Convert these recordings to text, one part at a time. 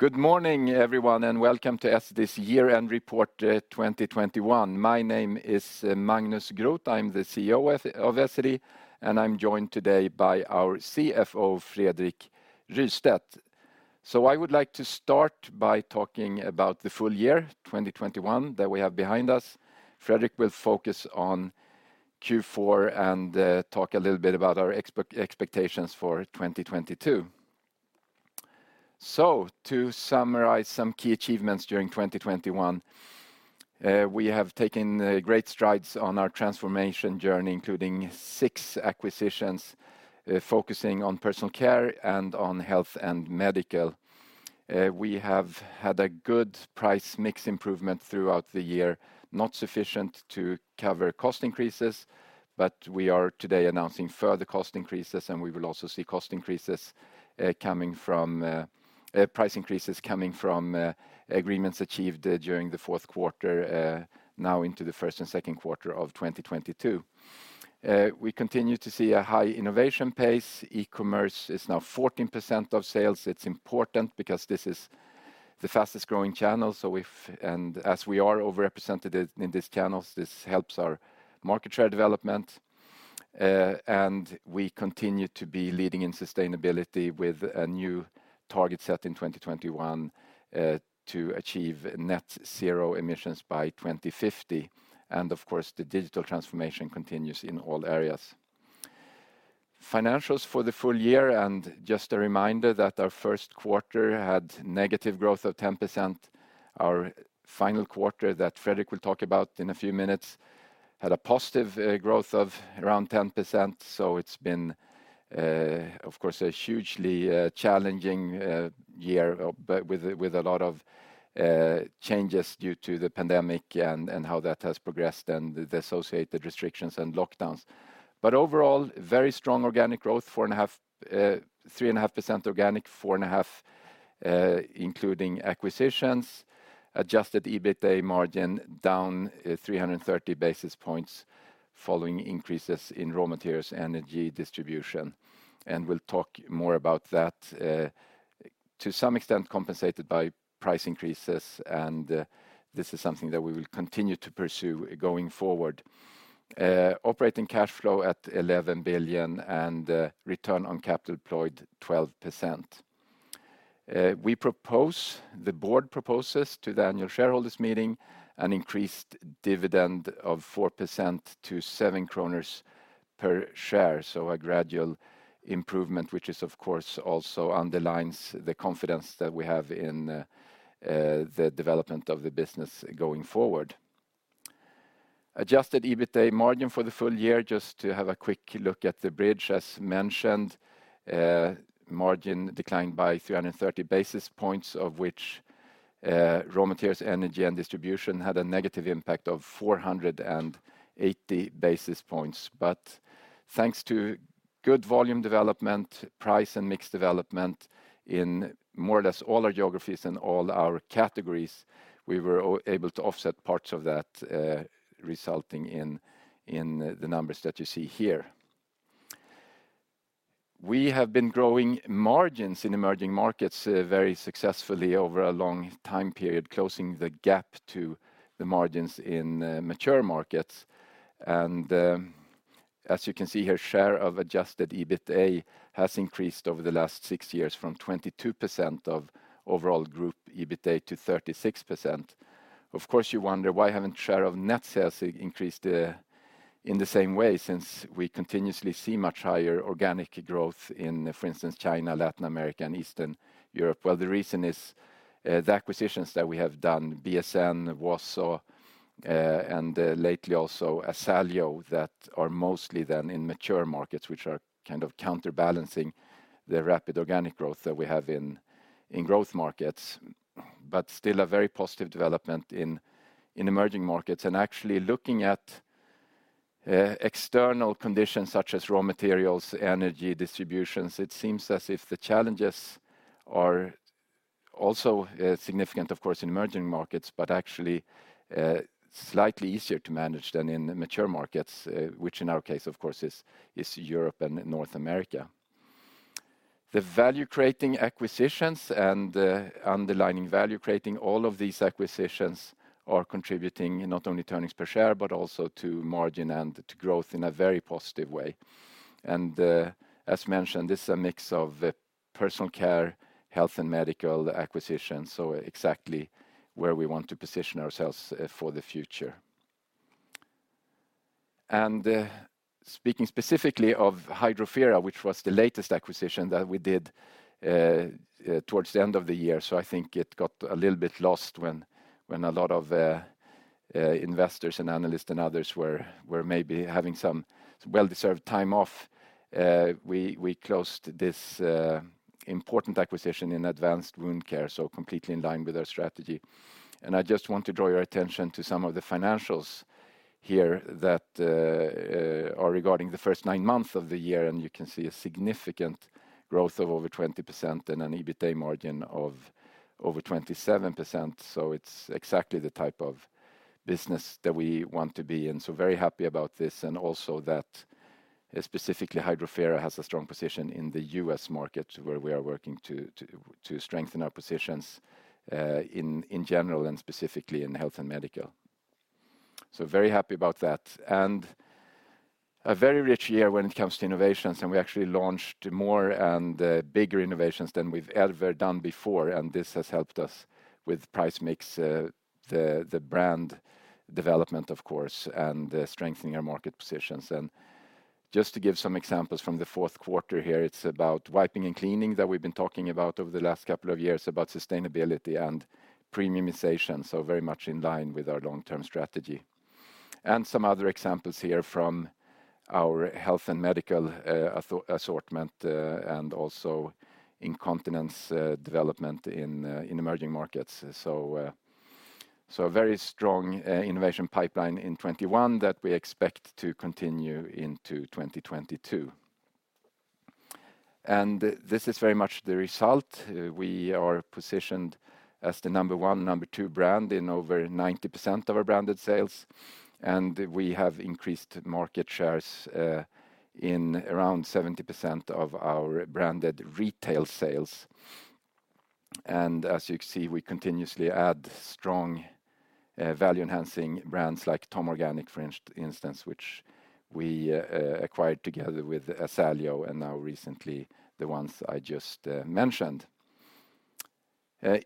Good morning everyone, and welcome to Essity's year-end report 2021. My name is, Magnus Groth. I'm the CEO of Essity, and I'm joined today by our CFO, Fredrik Rystedt. I would like to start by talking about the full year 2021 that we have behind us. Fredrik will focus on Q4 and talk a little bit about our expectations for 2022. To summarize some key achievements during 2021, we have taken great strides on our transformation journey, including six acquisitions, focusing on Personal Care and on health and medical. We have had a good price mix improvement throughout the year, not sufficient to cover cost increases, but we are today announcing further cost increases, and we will also see cost increases coming from. Price increases coming from agreements achieved during the fourth quarter now into the first and second quarter of 2022. We continue to see a high innovation pace. e-commerce is now 14% of sales. It's important because this is the fastest growing channel. As we are over-represented in these channels, this helps our market share development. We continue to be leading in sustainability with a new target set in 2021 to achieve net zero emissions by 2050. Of course, the digital transformation continues in all areas. Financials for the full year. Just a reminder that our first quarter had -10% growth. Our final quarter that Fredrik will talk about in a few minutes had positive growth of around 10%. It's been, of course, a hugely challenging year, but with a lot of changes due to the pandemic and how that has progressed and the associated restrictions and lockdowns. Overall, very strong organic growth, 3.5% organic, 4.5% including acquisitions. Adjusted EBITA margin down 330 basis points following increases in raw materials, energy, distribution, and we'll talk more about that. To some extent compensated by price increases, and this is something that we will continue to pursue going forward. Operating cash flow at 11 billion, and return on capital employed 12%. The board proposes to the annual shareholders meeting an increased dividend of 4% to 7 kronor per share, so a gradual improvement, which is of course also underlines the confidence that we have in the development of the business going forward. Adjusted EBITA margin for the full year, just to have a quick look at the bridge. As mentioned, margin declined by 330 basis points, of which raw materials, energy, and distribution had a negative impact of 480 basis points. Thanks to good volume development, price and mix development in more or less all our geographies and all our categories, we were able to offset parts of that, resulting in the numbers that you see here. We have been growing margins in emerging markets very successfully over a long time period, closing the gap to the margins in mature markets. As you can see here, share of adjusted EBITA has increased over the last six years from 22% of overall group EBITA to 36%. Of course, you wonder why haven't share of net sales increased in the same way since we continuously see much higher organic growth in, for instance, China, Latin America, and Eastern Europe? Well, the reason is the acquisitions that we have done, BSN, Vinda, and lately also Asaleo Care, that are mostly then in mature markets, which are kind of counterbalancing the rapid organic growth that we have in growth markets. Still a very positive development in emerging markets. Actually looking at external conditions such as raw materials, energy distributions, it seems as if the challenges are also significant of course in emerging markets, but actually slightly easier to manage than in mature markets, which in our case of course is Europe and North America. The value-creating acquisitions and underlying value creating, all of these acquisitions are contributing not only earnings per share, but also to margin and to growth in a very positive way. As mentioned, this is a mix of Personal Care, health and medical acquisitions, so exactly where we want to position ourselves for the future. Speaking specifically of Hydrofera, which was the latest acquisition that we did towards the end of the year, I think it got a little bit lost when a lot of investors and analysts and others were maybe having some well-deserved time off. We closed this important acquisition in advanced wound care, so completely in line with our strategy. I just want to draw your attention to some of the financials here that are regarding the first nine months of the year, and you can see a significant growth of over 20% and an EBITA margin of over 27%. It's exactly the type of business that we want to be in. Very happy about this, and also specifically, Hydrofera has a strong position in the U.S. market where we are working to strengthen our positions in general and specifically in health and medical. Very happy about that, and a very rich year when it comes to innovations, and we actually launched more and bigger innovations than we've ever done before, and this has helped us with price mix, the brand development of course, and strengthening our market positions. Just to give some examples from the fourth quarter here, it's about wiping and cleaning that we've been talking about over the last couple of years about sustainability and premiumization, so very much in line with our long-term strategy. Some other examples here from our health and medical assortment, and also incontinence development in emerging markets. A very strong innovation pipeline in 2021 that we expect to continue into 2022. This is very much the result. We are positioned as the number one, number two brand in over 90% of our branded sales, and we have increased market shares in around 70% of our branded retail sales. As you can see, we continuously add strong value-enhancing brands like TOM Organic for instance, which we acquired together with Asaleo Care and now recently the ones I just mentioned.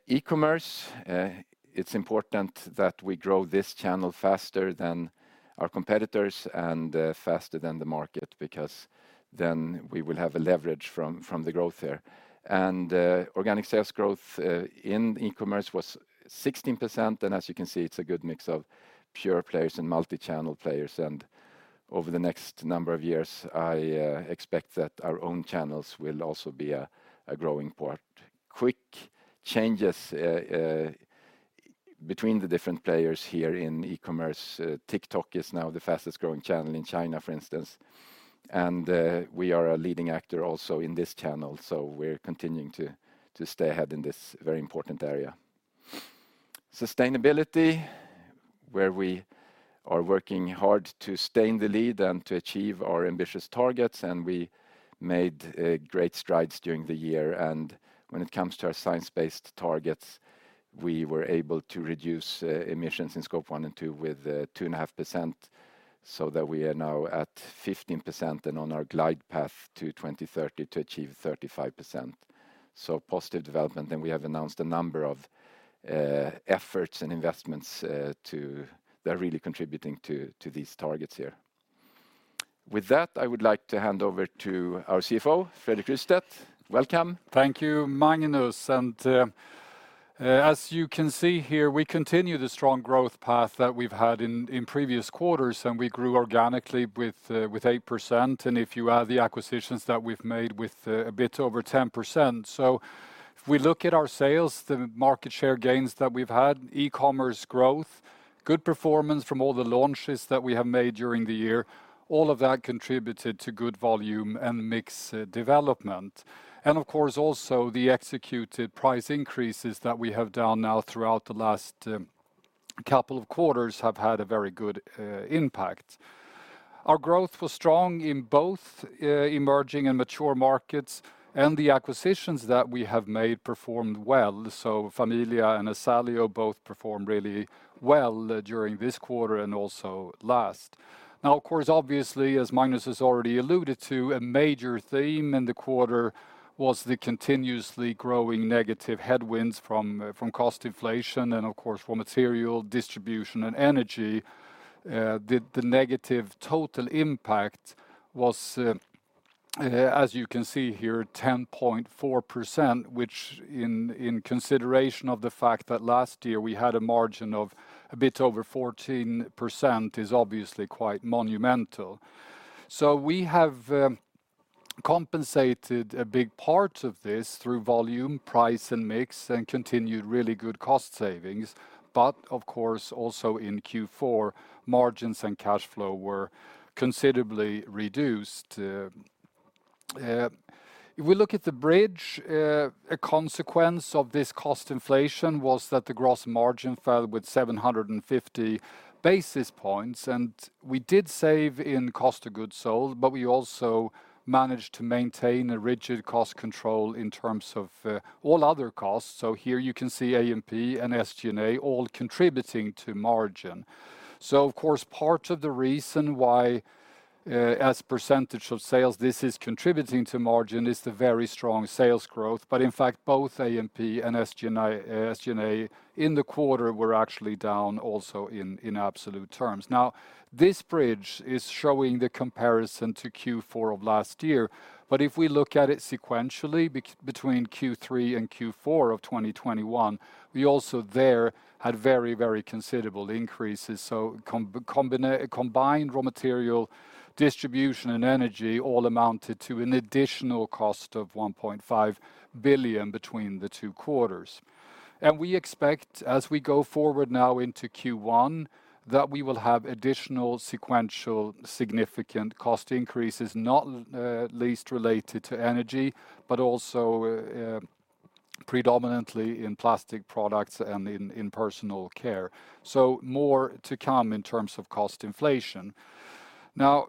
E-commerce, it's important that we grow this channel faster than our competitors and faster than the market because then we will have a leverage from the growth there. Organic sales growth in e-commerce was 16%, and as you can see, it's a good mix of pure players and multi-channel players. Over the next number of years, I expect that our own channels will also be a growing part. Quick changes between the different players here in e-commerce. TikTok is now the fastest-growing channel in China, for instance. We are a leading actor also in this channel, so we're continuing to stay ahead in this very important area. Sustainability, where we are working hard to stay in the lead and to achieve our ambitious targets, and we made great strides during the year. When it comes to our science-based targets, we were able to reduce emissions in Scope 1 and 2 with 2.5% so that we are now at 15% and on our glide path to 2030 to achieve 35%. Positive development, and we have announced a number of efforts and investments. They are really contributing to these targets here. With that, I would like to hand over to our CFO, Fredrik Rystedt. Welcome. Thank you, Magnus. As you can see here, we continue the strong growth path that we've had in previous quarters, and we grew organically with 8%, and if you add the acquisitions that we've made with a bit over 10%. If we look at our sales, the market share gains that we've had, e-commerce growth, good performance from all the launches that we have made during the year, all of that contributed to good volume and mix development. Of course also the executed price increases that we have done now throughout the last couple of quarters have had a very good impact. Our growth was strong in both emerging and mature markets, and the acquisitions that we have made performed well. Familia and Asaleo both performed really well during this quarter and also last. Now of course, obviously, as Magnus has already alluded to, a major theme in the quarter was the continuously growing negative headwinds from cost inflation and of course for material distribution and energy. The negative total impact was, as you can see here, 10.4%, which in consideration of the fact that last year we had a margin of a bit over 14% is obviously quite monumental. We have compensated a big part of this through volume, price, and mix and continued really good cost savings, but of course also in Q4, margins and cash flow were considerably reduced. If we look at the bridge, a consequence of this cost inflation was that the gross margin fell with 750 basis points, and we did save in cost of goods sold, but we also managed to maintain a rigid cost control in terms of all other costs. Here you can see A&P and SG&A all contributing to margin. Of course, part of the reason why, as percentage of sales this is contributing to margin is the very strong sales growth, but in fact both A&P and SG&A in the quarter were actually down also in absolute terms. Now, this bridge is showing the comparison to Q4 of last year, but if we look at it sequentially between Q3 and Q4 of 2021, we also there had very, very considerable increases. Combined raw material, distribution, and energy all amounted to an additional cost of 1.5 billion between the two quarters. We expect as we go forward now into Q1 that we will have additional sequential significant cost increases, not least related to energy, but also predominantly in plastic products and in Personal Care. More to come in terms of cost inflation. Now,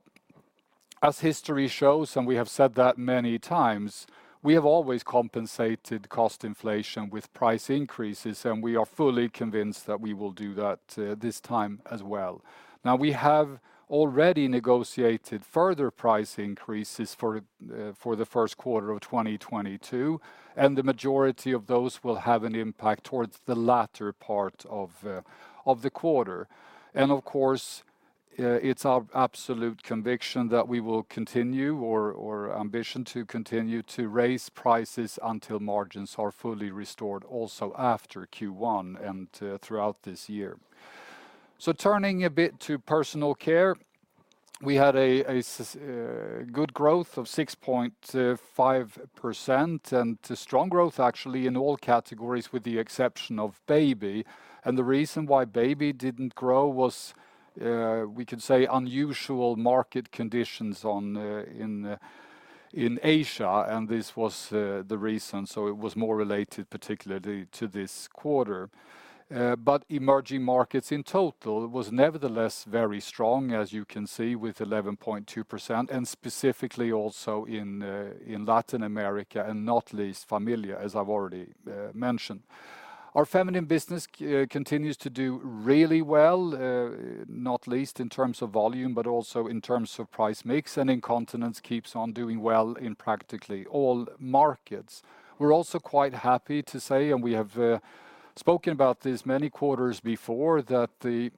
as history shows, and we have said that many times, we have always compensated cost inflation with price increases, and we are fully convinced that we will do that this time as well. Now, we have already negotiated further price increases for the first quarter of 2022, and the majority of those will have an impact towards the latter part of the quarter. Of course, it's our absolute conviction that we will continue our ambition to continue to raise prices until margins are fully restored also after Q1 and throughout this year. Turning a bit to Personal Care, we had good growth of 6.5% and a strong growth actually in all categories with the exception of Baby. The reason why Baby didn't grow was we could say unusual market conditions in Asia, and this was the reason. It was more related particularly to this quarter. Emerging markets in total was nevertheless very strong, as you can see, with 11.2%, and specifically also in Latin America, and not least Familia, as I've already mentioned. Our feminine business continues to do really well, not least in terms of volume, but also in terms of price mix, and incontinence keeps on doing well in practically all markets. We're also quite happy to say, and we have spoken about this many quarters before, that the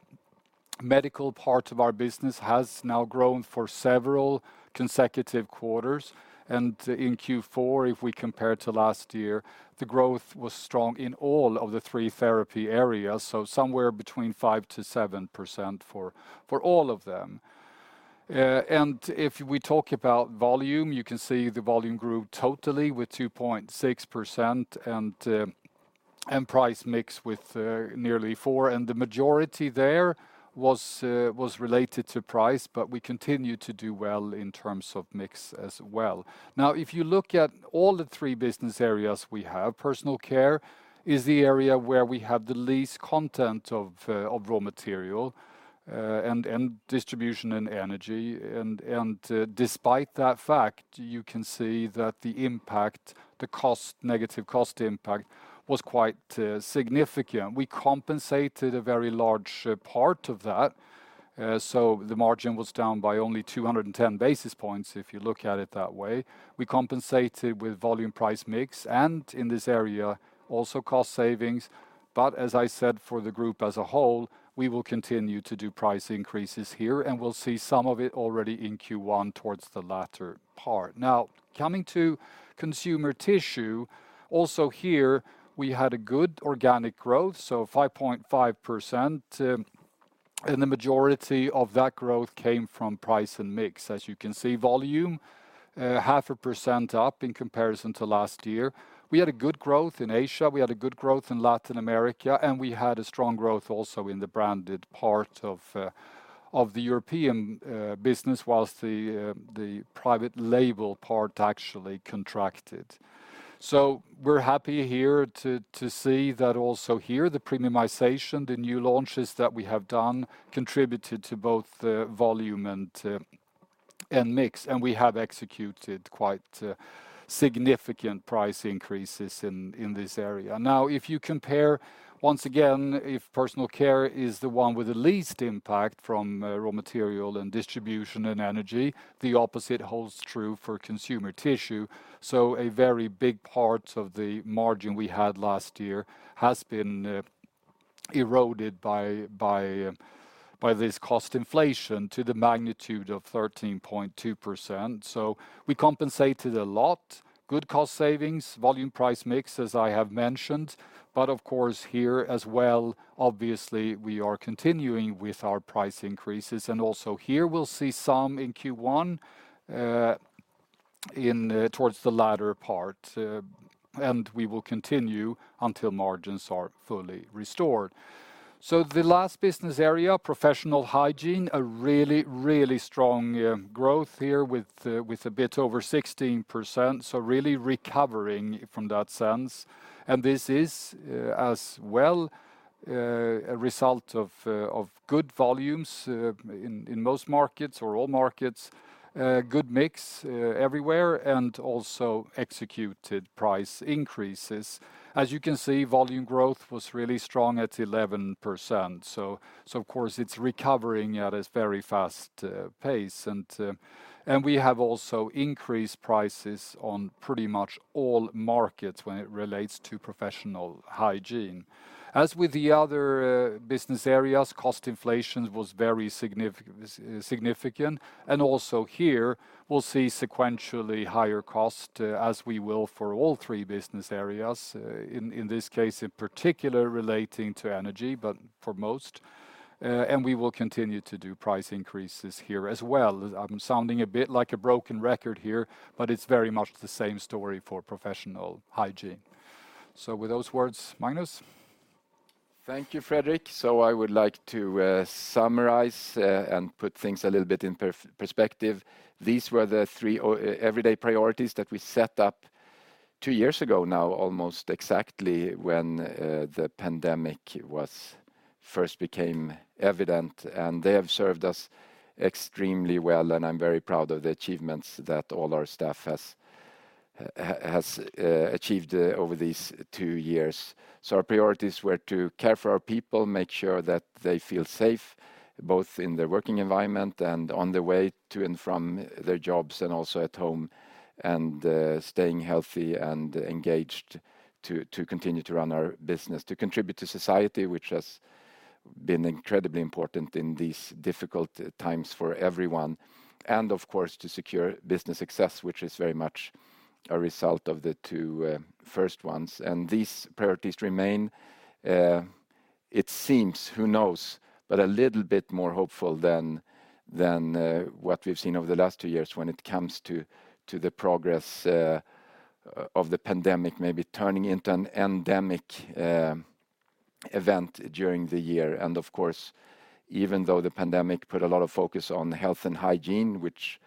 medical part of our business has now grown for several consecutive quarters. In Q4, if we compare to last year, the growth was strong in all of the three therapy areas, so somewhere between 5%-7% for all of them. If we talk about volume, you can see the volume grew totally with 2.6% and price mix with nearly 4%. The majority there was related to price, but we continue to do well in terms of mix as well. Now, if you look at all three business areas we have, Personal Care is the area where we have the least content of raw material, and distribution and energy. Despite that fact, you can see that the impact, the cost negative cost impact was quite significant. We compensated a very large part of that, so the margin was down by only 210 basis points if you look at it that way. We compensated with volume price mix and in this area also cost savings. As I said, for the group as a whole, we will continue to do price increases here, and we'll see some of it already in Q1 towards the latter part. Now, coming to Consumer Tissue, also here we had a good organic growth, so 5.5%. The majority of that growth came from price and mix. As you can see, volume, 0.5% up in comparison to last year. We had a good growth in Asia. We had a good growth in Latin America, and we had a strong growth also in the branded part of the European business, whilst the private label part actually contracted. We're happy here to see that also here, the premiumization, the new launches that we have done contributed to both the volume and mix, and we have executed quite significant price increases in this area. Now, if you compare once again, if Personal Care is the one with the least impact from raw material and distribution and energy, the opposite holds true for Consumer Tissue. A very big part of the margin we had last year has been eroded by this cost inflation to the magnitude of 13.2%. We compensated a lot, good cost savings, volume price mix, as I have mentioned. Of course here as well, obviously we are continuing with our price increases. Also here we'll see some in Q1 towards the latter part, and we will continue until margins are fully restored. The last business area, Professional Hygiene, really strong growth here with a bit over 16%, so really recovering from that sense. This is as well a result of good volumes in most markets or all markets, good mix everywhere, and also executed price increases. As you can see, volume growth was really strong at 11%. Of course it's recovering at a very fast pace. We have also increased prices on pretty much all markets when it relates to Professional Hygiene. As with the other business areas, cost inflation was very significant. Also here we'll see sequentially higher cost as we will for all three business areas in this case in particular relating to energy, but for most. We will continue to do price increases here as well. I'm sounding a bit like a broken record here, but it's very much the same story for Professional Hygiene. With those words, Magnus? Thank you, Fredrik. I would like to summarize and put things a little bit in perspective. These were the three everyday priorities that we set up two years ago now, almost exactly when the pandemic first became evident, and they have served us extremely well, and I'm very proud of the achievements that all our staff has achieved over these two years. Our priorities were to care for our people, make sure that they feel safe, both in their working environment and on their way to and from their jobs, and also at home, and staying healthy and engaged to continue to run our business. To contribute to society, which has been incredibly important in these difficult times for everyone. Of course, to secure business success, which is very much a result of the two first ones. These priorities remain, it seems, who knows, but a little bit more hopeful than what we've seen over the last two years when it comes to the progress of the pandemic, maybe turning into an endemic event during the year. Of course, even though the pandemic put a lot of focus on health and hygiene, which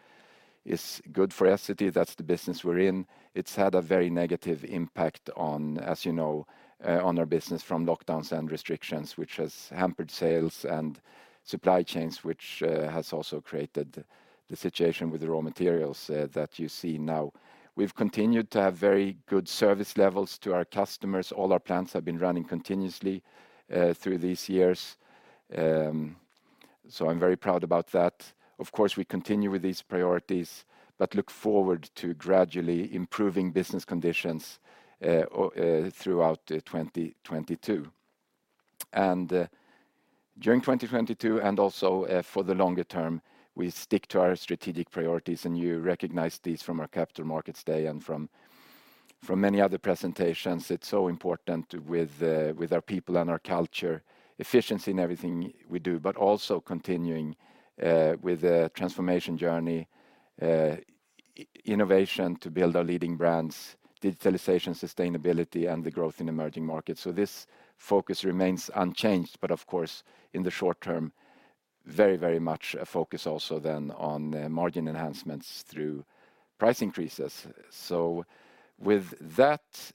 is good for Essity, that's the business we're in, it's had a very negative impact on, as you know, on our business from lockdowns and restrictions, which has hampered sales and supply chains, which has also created the situation with the raw materials that you see now. We've continued to have very good service levels to our customers. All our plants have been running continuously through these years. I'm very proud about that. Of course, we continue with these priorities, but look forward to gradually improving business conditions throughout 2022. During 2022, and also for the longer term, we stick to our strategic priorities, and you recognize these from our Capital Markets Day and from many other presentations. It's so important with our people and our culture, efficiency in everything we do, but also continuing with a transformation journey, innovation to build our leading brands, digitalization, sustainability, and the growth in emerging markets. This focus remains unchanged, but of course, in the short term, very much a focus also then on the margin enhancements through price increases. With that,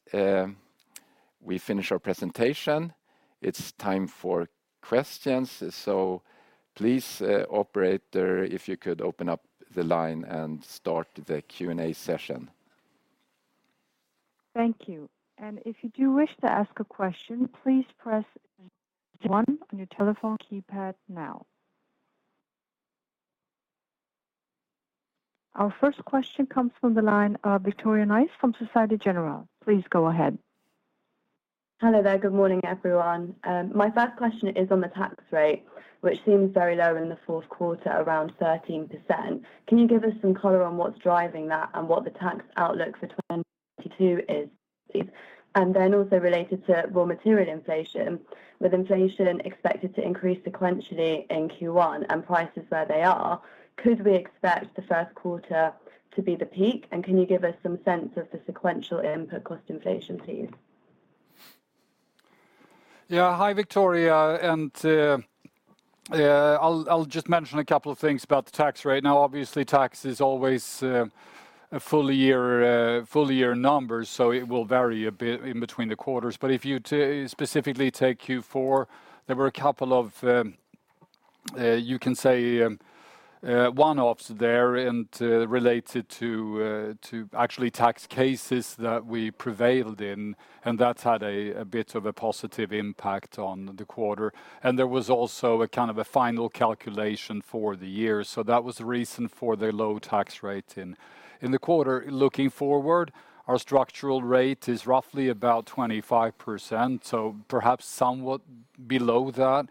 we finish our presentation. It's time for questions. Please, operator, if you could open up the line and start the Q&A session. Thank you. If you do wish to ask a question, please press one on your telephone keypad now. Our first question comes from the line of Victoria Nice from Société Générale. Please go ahead. Hello there. Good morning, everyone. My first question is on the tax rate, which seems very low in the fourth quarter, around 13%. Can you give us some color on what's driving that and what the tax outlook for 2022 is please? Also related to raw material inflation. With inflation expected to increase sequentially in Q1 and prices where they are, could we expect the first quarter to be the peak? Can you give us some sense of the sequential input cost inflation please? Yeah. Hi, Victoria. I'll just mention a couple of things about the tax rate. Now, obviously, tax is always a full year number, so it will vary a bit in between the quarters. But if you specifically take Q4, there were a couple of one-offs there related to actually tax cases that we prevailed in, and that's had a bit of a positive impact on the quarter. There was also a kind of a final calculation for the year. That was the reason for the low tax rate in the quarter. Looking forward, our structural rate is roughly about 25%, so perhaps somewhat below that.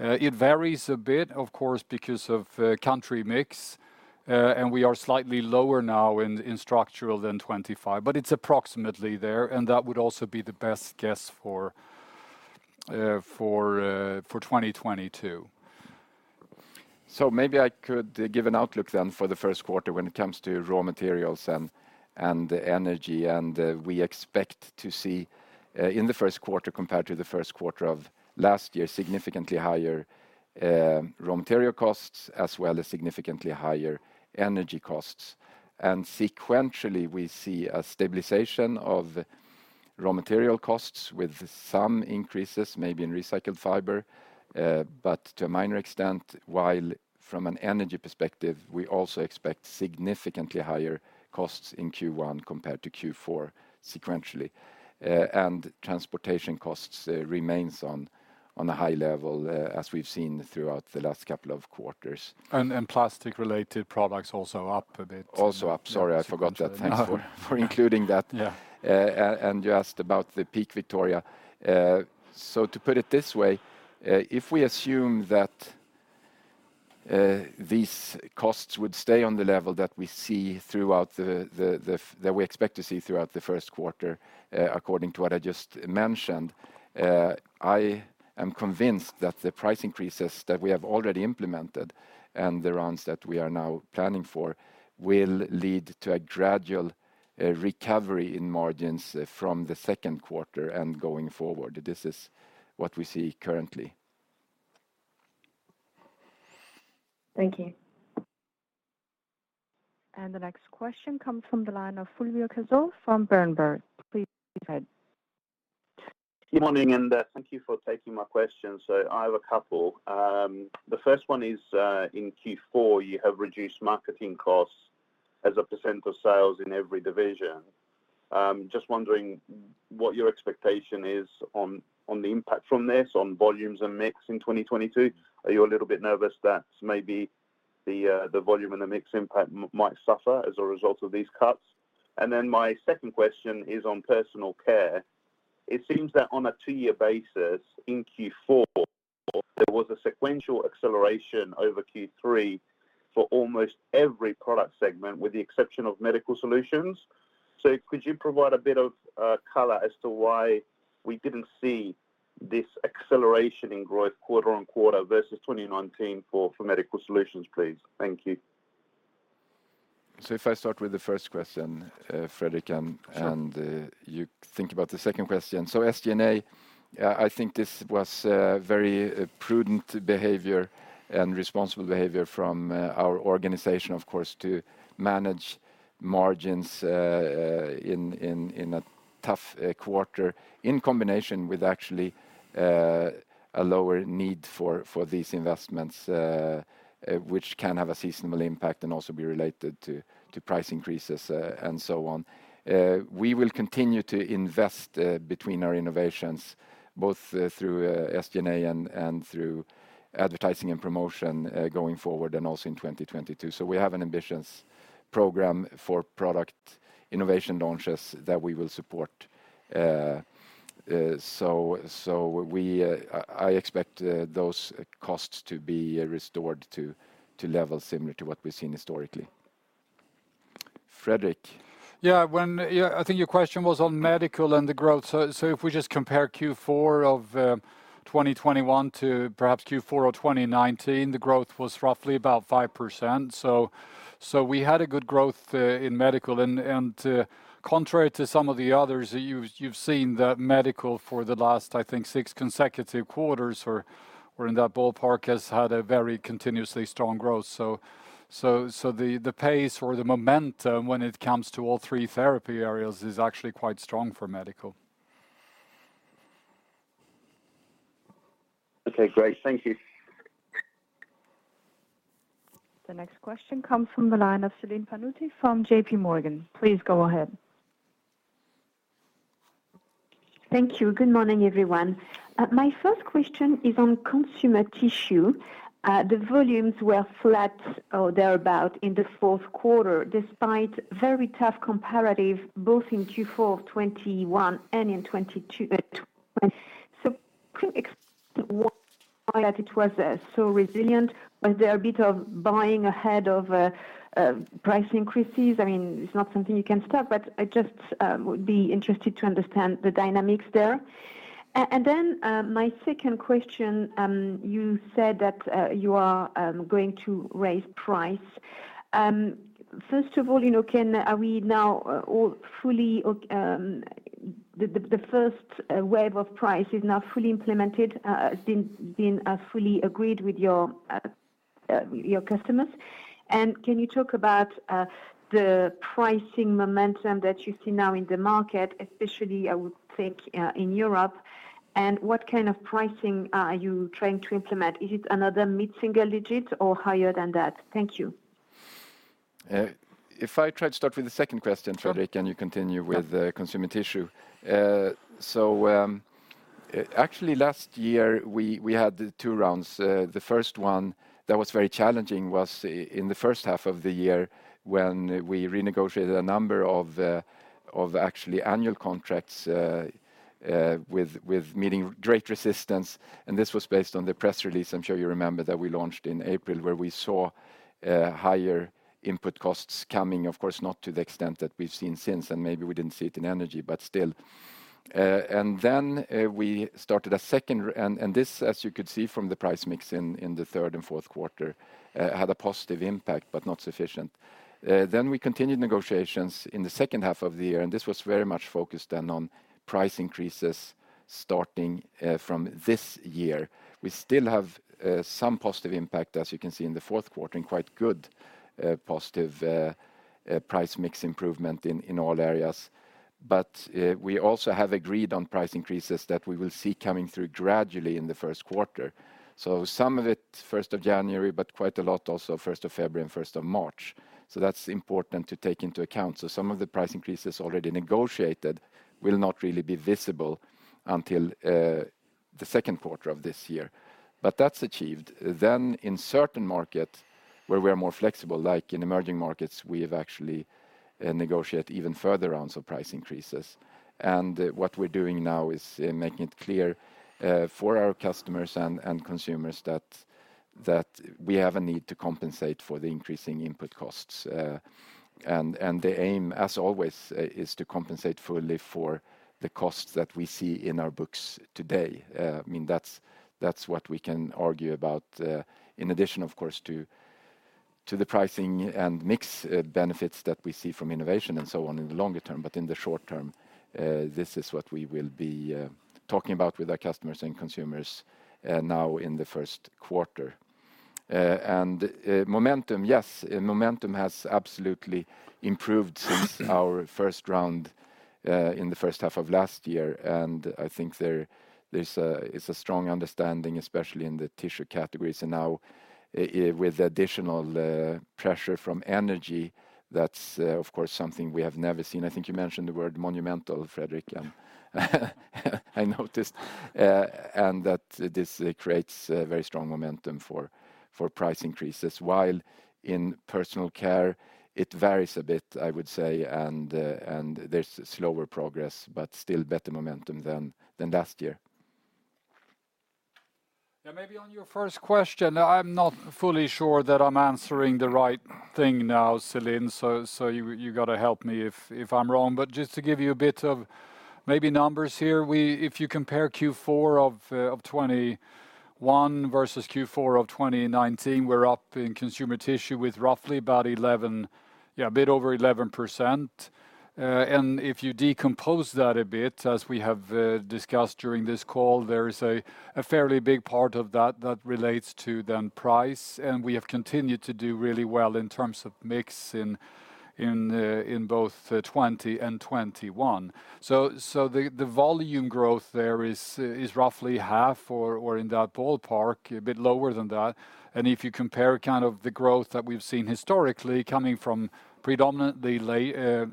It varies a bit, of course, because of country mix. We are slightly lower now in structural than 25%, but it's approximately there, and that would also be the best guess for 2022. Maybe I could give an outlook then for the first quarter when it comes to raw materials and energy. We expect to see in the first quarter compared to the first quarter of last year significantly higher raw material costs, as well as significantly higher energy costs. Sequentially, we see a stabilization of raw material costs with some increases, maybe in recycled fiber, but to a minor extent, while from an energy perspective, we also expect significantly higher costs in Q1 compared to Q4 sequentially. Transportation costs remains on a high level as we've seen throughout the last couple of quarters. Plastic-related products also up a bit. Also up. Sorry, I forgot that. Yeah. Thanks for including that. Yeah. You asked about the peak, Victoria. To put it this way, if we assume that these costs would stay on the level that we see throughout the first quarter, according to what I just mentioned, I am convinced that the price increases that we have already implemented and the rounds that we are now planning for will lead to a gradual recovery in margins from the second quarter and going forward. This is what we see currently. Thank you. The next question comes from the line of Fulvio Cazzol from Berenberg. Please go ahead. Good morning, and, thank you for taking my question. I have a couple. The first one is, in Q4, you have reduced marketing costs as a % of sales in every division. Just wondering what your expectation is on the impact from this on volumes and mix in 2022. Are you a little bit nervous that maybe the volume and the mix impact might suffer as a result of these cuts? My second question is on Personal Care. It seems that on a two-year basis in Q4, there was a sequential acceleration over Q3 for almost every product segment, with the exception of medical solutions. Could you provide a bit of color as to why we didn't see this acceleration in growth quarter-on-quarter versus 2019 for medical solutions, please? Thank you. If I start with the first question, Fredrik. Sure If you think about the second question. SG&A, I think this was very prudent behavior and responsible behavior from our organization, of course, to manage margins in a tough quarter in combination with actually a lower need for these investments, which can have a seasonal impact and also be related to price increases and so on. We will continue to invest between our innovations, both through SG&A and through advertising and promotion going forward and also in 2022. We have an ambitious program for product innovation launches that we will support. I expect those costs to be restored to levels similar to what we've seen historically. Fredrik? I think your question was on medical and the growth. If we just compare Q4 of 2021 to perhaps Q4 of 2019, the growth was roughly about 5%. We had a good growth in medical and, contrary to some of the others, you've seen that medical for the last, I think, six consecutive quarters or in that ballpark has had a very continuously strong growth. The pace or the momentum when it comes to all three therapy areas is actually quite strong for medical. Okay, great. Thank you. The next question comes from the line of Celine Pannuti from JPMorgan. Please go ahead. Thank you. Good morning, everyone. My first question is on Consumer Tissue. The volumes were flat or thereabout in the fourth quarter, despite very tough comparative both in Q4 of 2021 and in 2022, 2020. Can you explain why it was so resilient? Was there a bit of buying ahead of price increases? I mean, it's not something you can stop, but I just would be interested to understand the dynamics there. My second question, you said that you are going to raise price. First of all, you know, are we now all fully or the first wave of price is now fully implemented, been fully agreed with your customers? Can you talk about the pricing momentum that you see now in the market, especially I would think, in Europe? What kind of pricing are you trying to implement? Is it another mid-single digits or higher than that? Thank you. If I try to start with the second question, Fredrik- Sure... and you continue with- Yeah The Consumer Tissue. Actually last year we had two rounds. The first one that was very challenging was in the first half of the year when we renegotiated a number of actually annual contracts with meeting great resistance. This was based on the press release, I'm sure you remember, that we launched in April, where we saw higher input costs coming, of course, not to the extent that we've seen since, and maybe we didn't see it in energy, but still. Then we started a second round. This, as you could see from the price mix in the third and fourth quarter, had a positive impact, but not sufficient. Then we continued negotiations in the second half of the year, and this was very much focused then on price increases starting from this year. We still have some positive impact, as you can see in the fourth quarter, and quite good positive price mix improvement in all areas. But we also have agreed on price increases that we will see coming through gradually in the first quarter. Some of it first of January, but quite a lot also first of February and first of March. That's important to take into account. Some of the price increases already negotiated will not really be visible until the second quarter of this year. But that's achieved. In certain markets where we're more flexible, like in emerging markets, we have actually negotiated even further rounds of price increases. What we're doing now is making it clear for our customers and consumers that we have a need to compensate for the increasing input costs. The aim, as always, is to compensate fully for the costs that we see in our books today. I mean, that's what we can argue about in addition, of course, to the pricing and mix benefits that we see from innovation and so on in the longer term. In the short term, this is what we will be talking about with our customers and consumers now in the first quarter. Momentum, yes. Momentum has absolutely improved since our first round in the first half of last year. I think there's a strong understanding, especially in the tissue categories and now with additional pressure from energy, that's, of course, something we have never seen. I think you mentioned the word monumental, Fredrik, and I noticed. That this creates a very strong momentum for price increases. While in Personal Care it varies a bit, I would say. There's slower progress, but still better momentum than last year. Yeah, maybe on your first question. I'm not fully sure that I'm answering the right thing now, Celine. You gotta help me if I'm wrong. Just to give you a bit of maybe numbers here. If you compare Q4 of 2021 versus Q4 of 2019, we're up in Consumer Tissue with roughly about 11. Yeah, a bit over 11%. If you decompose that a bit, as we have discussed during this call, there is a fairly big part of that that relates to the price. We have continued to do really well in terms of mix in both 2020 and 2021. The volume growth there is roughly half or in that ballpark, a bit lower than that. If you compare kind of the growth that we've seen historically coming from predominantly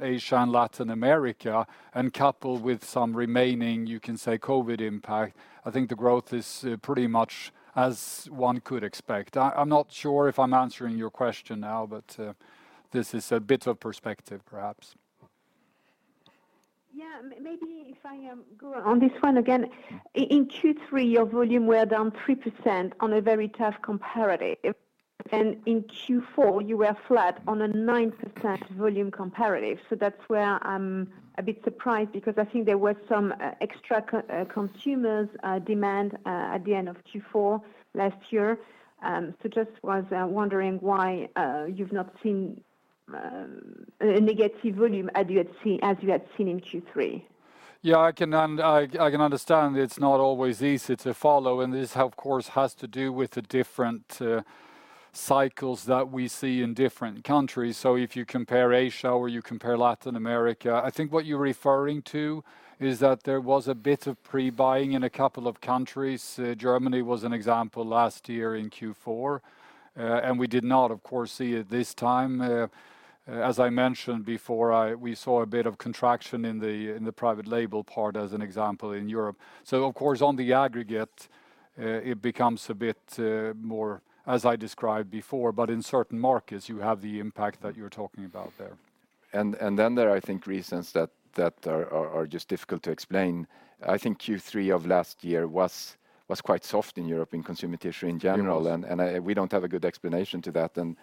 Asia and Latin America and coupled with some remaining, you can say COVID impact, I think the growth is pretty much as one could expect. I'm not sure if I'm answering your question now, but this is a bit of perspective perhaps. Maybe if I go on this one again. In Q3, your volume were down 3% on a very tough comparative. In Q4, you were flat on a 9% volume comparative. That's where I'm a bit surprised because I think there was some extra consumer demand at the end of Q4 last year. Just wondering why you've not seen a negative volume as you had seen in Q3. Yeah, I can understand. It's not always easy to follow. This, of course, has to do with the different cycles that we see in different countries. If you compare Asia or you compare Latin America, I think what you're referring to is that there was a bit of pre-buying in a couple of countries. Germany was an example last year in Q4. We did not, of course, see it this time. As I mentioned before, we saw a bit of contraction in the private label part as an example in Europe. Of course on the aggregate, it becomes a bit more as I described before, but in certain markets you have the impact that you're talking about there. There are, I think, reasons that are just difficult to explain. I think Q3 of last year was quite soft in Europe, in Consumer Tissue in general. Yes. We don't have a good explanation to that. There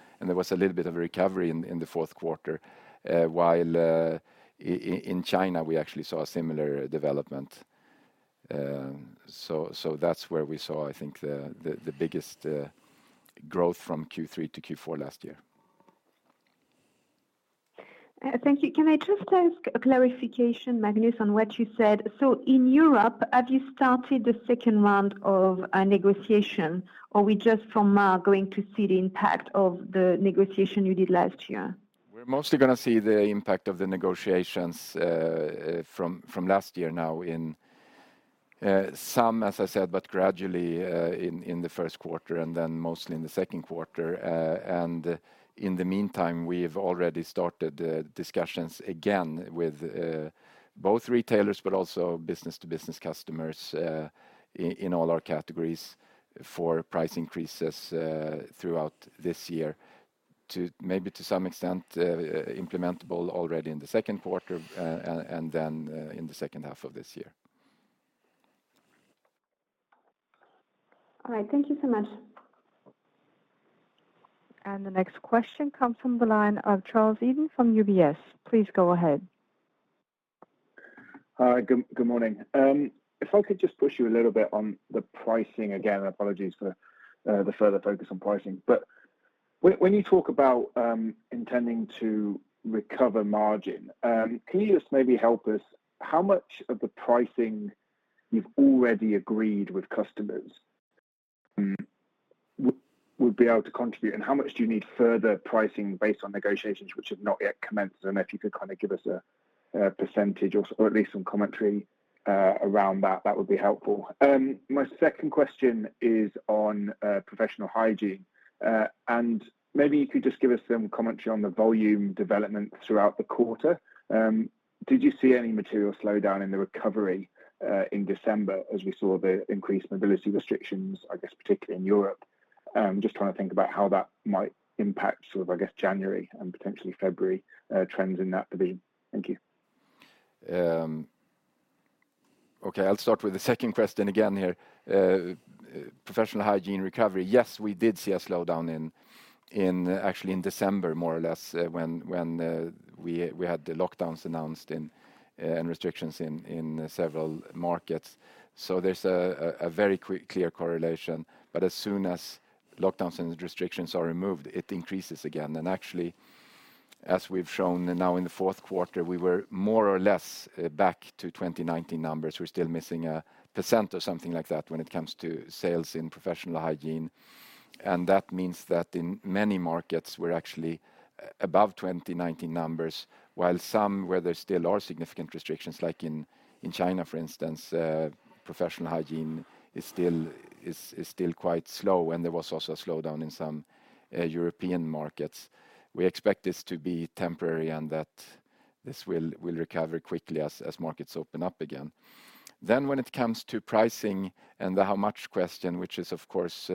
was a little bit of a recovery in the fourth quarter, while in China we actually saw a similar development. That's where we saw, I think, the biggest growth from Q3 to Q4 last year. Thank you. Can I just ask a clarification, Magnus, on what you said? In Europe, have you started the second round of a negotiation or we just from now going to see the impact of the negotiation you did last year? We're mostly gonna see the impact of the negotiations from last year now in some, as I said, but gradually in the first quarter and then mostly in the second quarter. In the meantime, we've already started discussions again with both retailers but also business to business customers in all our categories for price increases throughout this year to maybe to some extent implementable already in the second quarter and then in the second half of this year. All right. Thank you so much. The next question comes from the line of Charles Eden from UBS. Please go ahead. Hi. Good morning. If I could just push you a little bit on the pricing again, apologies for the further focus on pricing. When you talk about intending to recover margin, can you just maybe help us how much of the pricing you've already agreed with customers would be able to contribute? And how much do you need further pricing based on negotiations which have not yet commenced? And if you could kinda give us a percentage or at least some commentary around that would be helpful. My second question is on Professional Hygiene. Maybe you could just give us some commentary on the volume development throughout the quarter. Did you see any material slowdown in the recovery, in December as we saw the increased mobility restrictions, I guess particularly in Europe? I'm just trying to think about how that might impact sort of, I guess, January and potentially February, trends in that domain. Thank you. Okay. I'll start with the second question again here. Professional Hygiene recovery. Yes, we did see a slowdown in actually in December, more or less, when we had the lockdowns announced and restrictions in several markets. There's a very clear correlation. As soon as lockdowns and restrictions are removed, it increases again. Actually, as we've shown now in the fourth quarter, we were more or less back to 2019 numbers. We're still missing 1% or something like that when it comes to sales in Professional Hygiene. That means that in many markets, we're actually above 2019 numbers, while some where there still are significant restrictions, like in China, for instance, Professional Hygiene is still quite slow, and there was also a slowdown in some European markets. We expect this to be temporary and that this will recover quickly as markets open up again. When it comes to pricing and the how much question, which is of course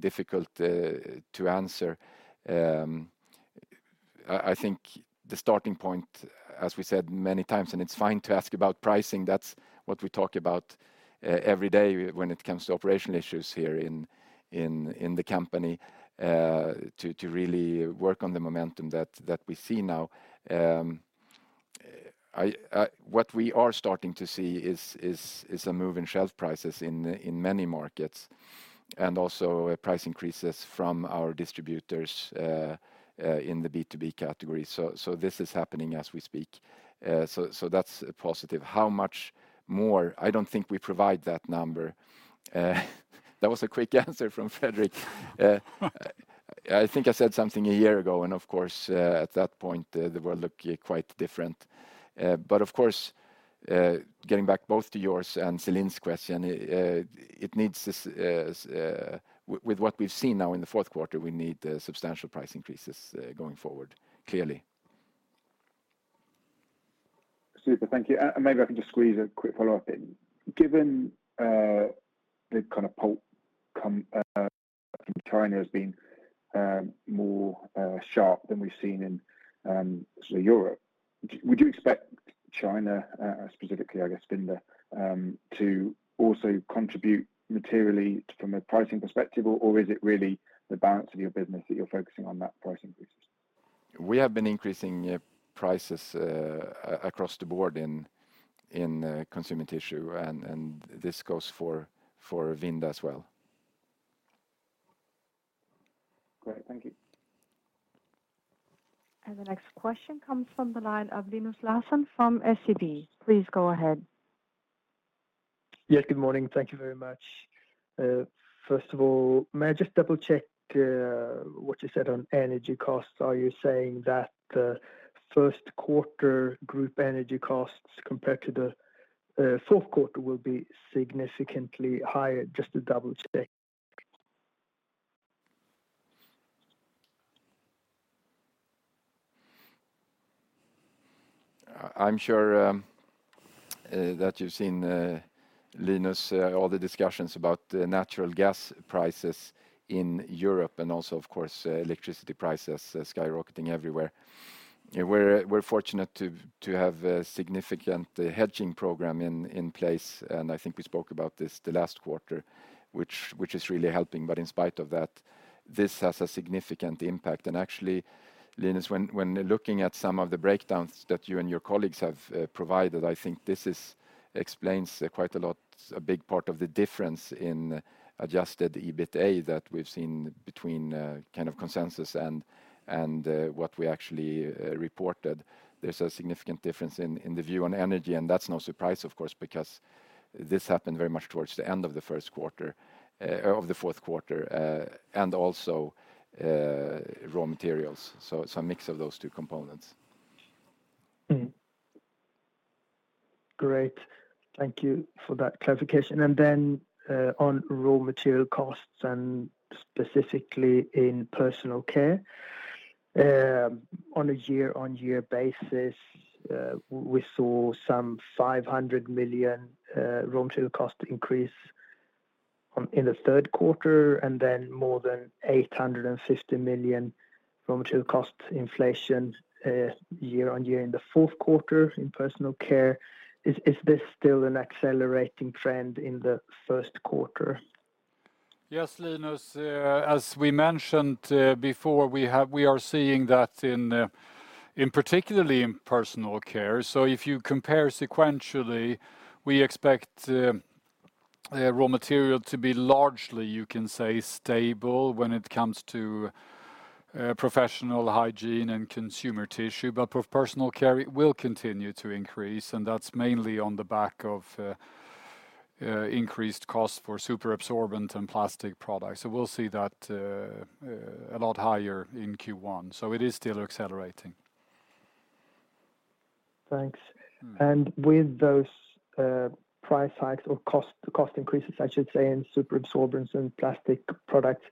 difficult to answer, I think the starting point, as we said many times, and it's fine to ask about pricing, that's what we talk about every day when it comes to operational issues here in the company to really work on the momentum that we see now. What we are starting to see is a move in shelf prices in many markets, and also price increases from our distributors in the B2B category. This is happening as we speak. That's a positive. How much more? I don't think we provide that number. That was a quick answer from Fredrik. I think I said something a year ago, and of course, at that point, the world looked quite different. Of course, getting back both to yours and Celine's question, with what we've seen now in the fourth quarter, we need substantial price increases going forward, clearly. Super. Thank you. Maybe I can just squeeze a quick follow-up in. Given the kind of pulp cost in China has been more sharp than we've seen in say Europe, would you expect China specifically, I guess, Vinda, to also contribute materially from a pricing perspective, or is it really the balance of your business that you're focusing on that price increases? We have been increasing, yeah, prices across the board in Consumer Tissue, and this goes for Vinda as well. Great. Thank you. The next question comes from the line of Linus Larsson from SEB. Please go ahead. Yes, good morning. Thank you very much. First of all, may I just double-check what you said on energy costs? Are you saying that the first quarter group energy costs compared to the fourth quarter will be significantly higher? Just to double-check. I'm sure that you've seen, Linus, all the discussions about the natural gas prices in Europe and also, of course, electricity prices skyrocketing everywhere. We're fortunate to have a significant hedging program in place, and I think we spoke about this the last quarter, which is really helping. In spite of that, this has a significant impact. Actually, Linus, when looking at some of the breakdowns that you and your colleagues have provided, I think this explains quite a lot, a big part of the difference in adjusted EBITA that we've seen between kind of consensus and what we actually reported. There's a significant difference in the view on energy, and that's no surprise, of course, because this happened very much towards the end of the fourth quarter, and also raw materials. It's a mix of those two components. Mm-hmm. Great. Thank you for that clarification. On raw material costs and specifically in Personal Care, on a year-on-year basis, we saw some 500 million raw material cost increase in the third quarter and then more than 850 million raw material cost inflation year on year in the fourth quarter in Personal Care. Is this still an accelerating trend in the first quarter? Yes, Linus. As we mentioned before, we are seeing that in particular in Personal Care. If you compare sequentially, we expect raw material to be largely, you can say, stable when it comes to Professional Hygiene and Consumer Tissue. But for Personal Care, it will continue to increase, and that's mainly on the back of increased costs for superabsorbent and plastic products. We'll see that a lot higher in Q1. It is still accelerating. Thanks. Mm-hmm. With those price hikes or cost increases, I should say, in superabsorbents and plastic products,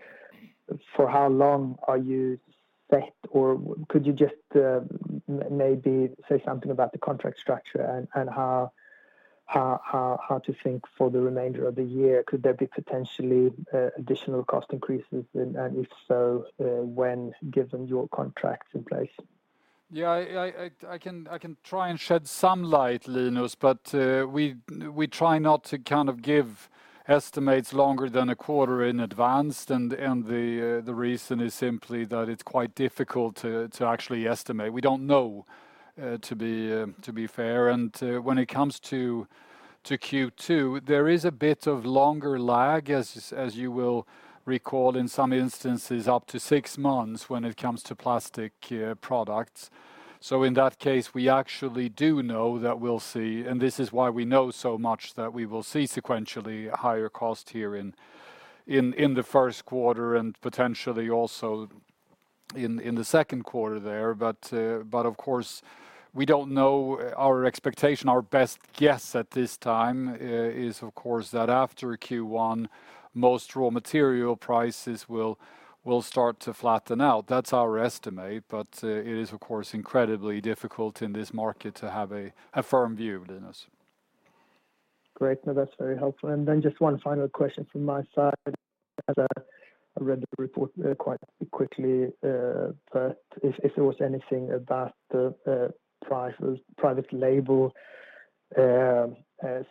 for how long are you set? Or could you just maybe say something about the contract structure and how to think for the remainder of the year? Could there be potentially additional cost increases? And if so, when, given your contracts in place? Yeah. I can try and shed some light, Linus, but we try not to kind of give estimates longer than a quarter in advance. The reason is simply that it's quite difficult to actually estimate. We don't know, to be fair. When it comes to Q2, there is a bit of longer lag, as you will recall, in some instances up to six months when it comes to plastic products. So in that case, we actually do know that we'll see. This is why we know as much that we will see sequentially higher cost here in the first quarter and potentially also in the second quarter there. Of course, we don't know. Our expectation, our best guess at this time is of course that after Q1, most raw material prices will start to flatten out. That's our estimate. It is of course incredibly difficult in this market to have a firm view, Linus. Great. No, that's very helpful. Just one final question from my side. As I read the report quite quickly, but if there was anything about the private label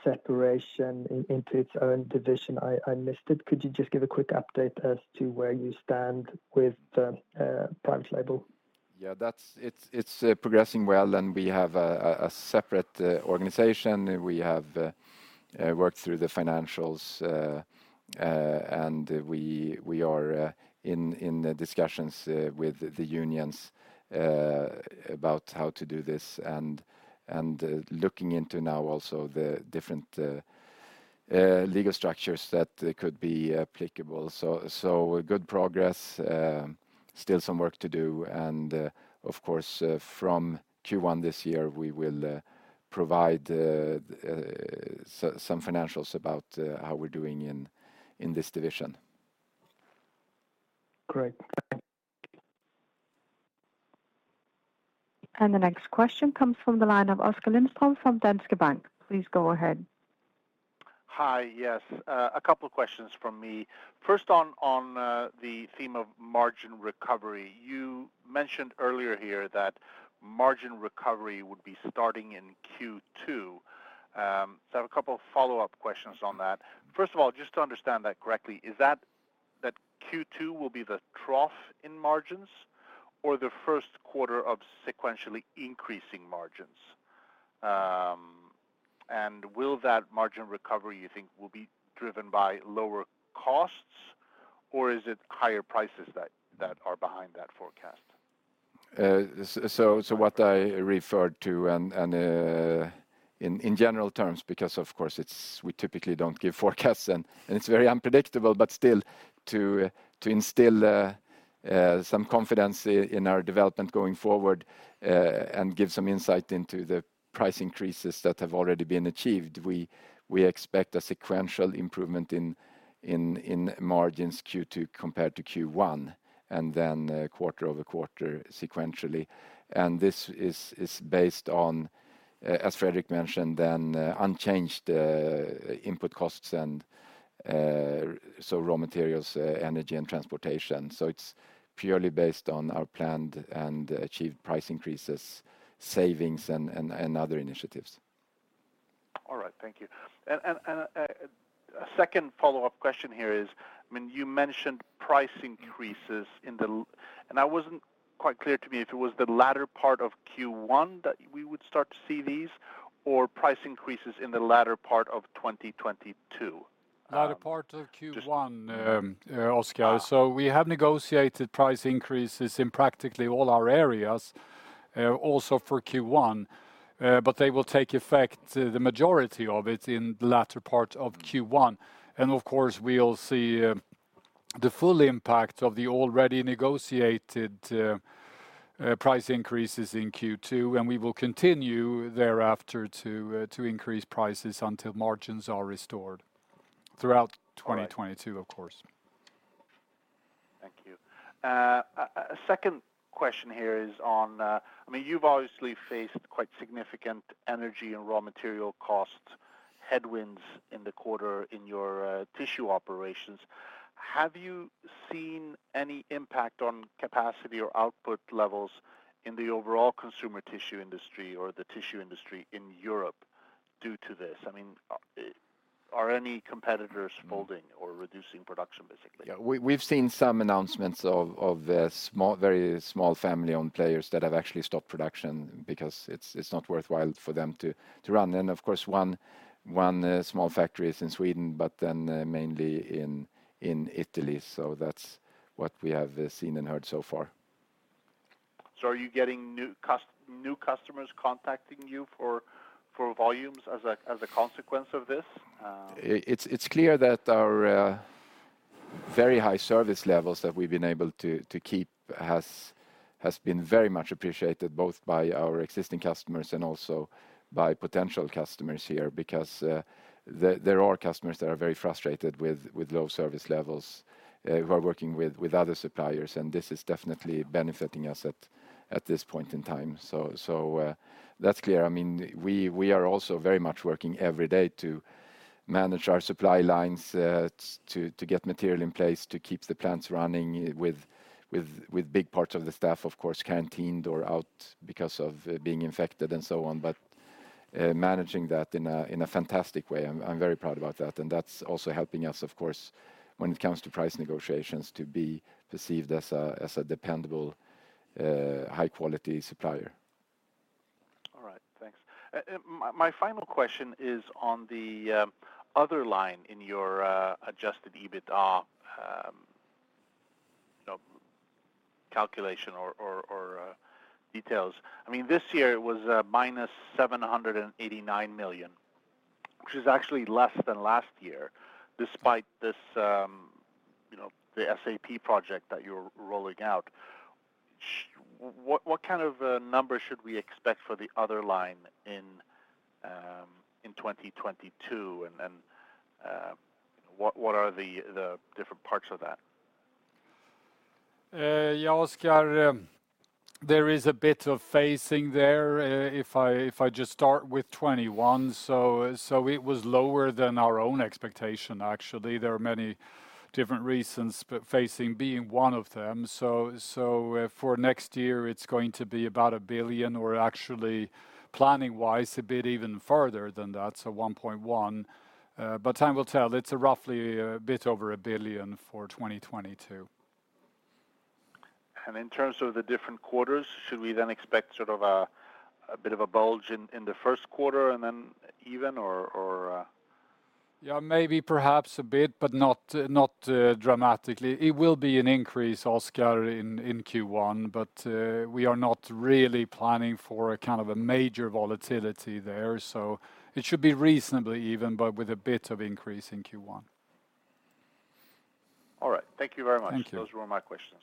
separation into its own division, I missed it. Could you just give a quick update as to where you stand with the private label? Yeah, that's it. It's progressing well, and we have a separate organization. We have worked through the financials, and we are in the discussions with the unions about how to do this and looking into now also the different legal structures that could be applicable. A good progress, still some work to do. Of course, from Q1 this year, we will provide some financials about how we're doing in this division. Great. Thank you. The next question comes from the line of Oskar Lindström from Danske Bank. Please go ahead. Hi. Yes, a couple of questions from me. First on the theme of margin recovery. You mentioned earlier here that margin recovery would be starting in Q2. I have a couple of follow-up questions on that. First of all, just to understand that correctly, is that Q2 will be the trough in margins or the first quarter of sequentially increasing margins? Will that margin recovery, you think, will be driven by lower costs, or is it higher prices that are behind that forecast? So what I referred to and in general terms, because of course, we typically don't give forecasts and it's very unpredictable, but still to instill some confidence in our development going forward, and give some insight into the price increases that have already been achieved, we expect a sequential improvement in margins Q2 compared to Q1, and then quarter-over-quarter sequentially. This is based on, as Fredrik mentioned, unchanged input costs and so raw materials, energy and transportation. It's purely based on our planned and achieved price increases, savings and other initiatives. All right. Thank you. A second follow-up question here is, I mean, you mentioned price increases. That wasn't quite clear to me if it was the latter part of Q1 that we would start to see these or price increases in the latter part of 2022. Latter part of Q1, Oskar. Ah. We have negotiated price increases in practically all our areas, also for Q1. They will take effect, the majority of it in the latter part of Q1. Of course, we'll see the full impact of the already negotiated price increases in Q2, and we will continue thereafter to increase prices until margins are restored throughout 2022, of course. Thank you. A second question here is on, I mean, you've obviously faced quite significant energy and raw material costs headwinds in the quarter in your tissue operations. Have you seen any impact on capacity or output levels in the overall consumer tissue industry or the tissue industry in Europe due to this? I mean, are any competitors folding or reducing production, basically? Yeah. We've seen some announcements of small, very small family-owned players that have actually stopped production because it's not worthwhile for them to run. Of course, one small factory is in Sweden, but then mainly in Italy. That's what we have seen and heard so far. Are you getting new customers contacting you for volumes as a consequence of this? It's clear that our very high service levels that we've been able to keep has been very much appreciated both by our existing customers and also by potential customers here, because there are customers that are very frustrated with low service levels who are working with other suppliers, and this is definitely benefiting us at this point in time. That's clear. I mean, we are also very much working every day to manage our supply lines to get material in place, to keep the plants running with big parts of the staff, of course, quarantined or out because of being infected and so on. Managing that in a fantastic way. I'm very proud about that, and that's also helping us, of course, when it comes to price negotiations, to be perceived as a dependable, high-quality supplier. All right. Thanks. My final question is on the other line in your adjusted EBITDA, you know, calculation or details. I mean, this year it was minus 789 million, which is actually less than last year, despite this, you know, the SAP project that you're rolling out. What kind of a number should we expect for the other line in 2022? And then, what are the different parts of that? Yeah, Oskar, there is a bit of phasing there, if I just start with 2021. It was lower than our own expectation, actually. There are many different reasons, but phasing being one of them. For next year, it's going to be about 1 billion. We're actually, planning-wise, a bit even further than that, so 1.1. But time will tell. It's roughly a bit over 1 billion for 2022. In terms of the different quarters, should we then expect sort of a bit of a bulge in the first quarter and then even or? Yeah, maybe perhaps a bit, but not dramatically. It will be an increase, Oskar, in Q1, but we are not really planning for a kind of a major volatility there. It should be reasonably even, but with a bit of increase in Q1. All right. Thank you very much. Thank you. Those were my questions.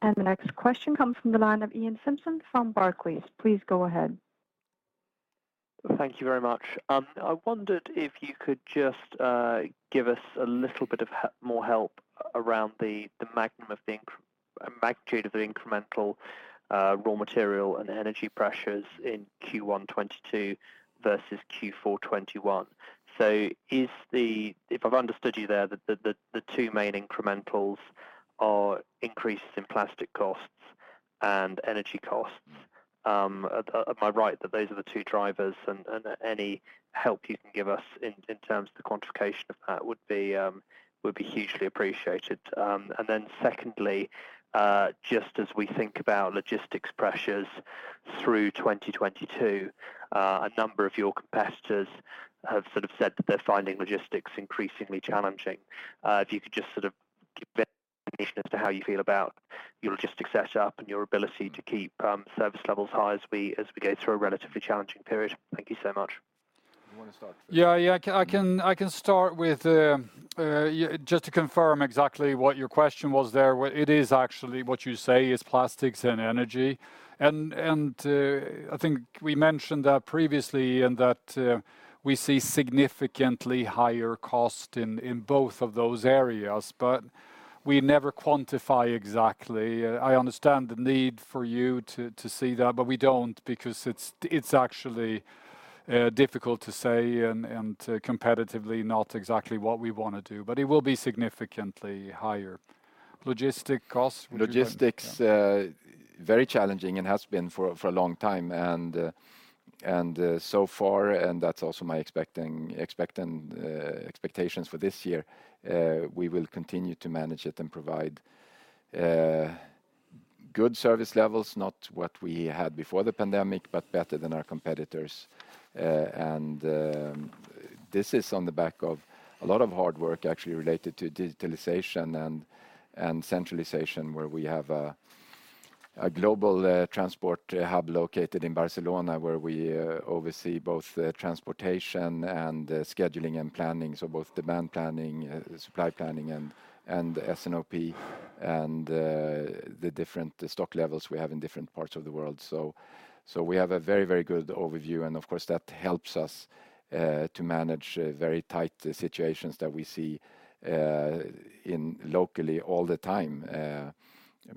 The next question comes from the line of Iain Simpson from Barclays. Please go ahead. Thank you very much. I wondered if you could just give us a little bit more help around the magnitude of the incremental raw material and energy pressures in Q1 2022 versus Q4 2021. If I've understood you there, the two main incrementals are increases in plastic costs and energy costs. Am I right that those are the two drivers? Any help you can give us in terms of the quantification of that would be hugely appreciated. Secondly, just as we think about logistics pressures through 2022, a number of your competitors have sort of said that they're finding logistics increasingly challenging. If you could just sort of give a bit of information as to how you feel about your logistics setup and your ability to keep service levels high as we go through a relatively challenging period. Thank you so much. You wanna start? Yeah. I can start with just to confirm exactly what your question was there. What it is actually what you say is plastics and energy. I think we mentioned that previously in that we see significantly higher cost in both of those areas, but we never quantify exactly. I understand the need for you to see that, but we don't because it's actually difficult to say and competitively not exactly what we wanna do, but it will be significantly higher. Logistics costs- Logistics very challenging and has been for a long time. So far, that's also my expectations for this year, we will continue to manage it and provide good service levels, not what we had before the pandemic, but better than our competitors. This is on the back of a lot of hard work actually related to digitalization and centralization, where we have a global transport hub located in Barcelona, where we oversee both the transportation and the scheduling and planning. Both demand planning, supply planning and S&OP, and the different stock levels we have in different parts of the world. We have a very good overview, and of course, that helps us to manage very tight situations that we see locally all the time.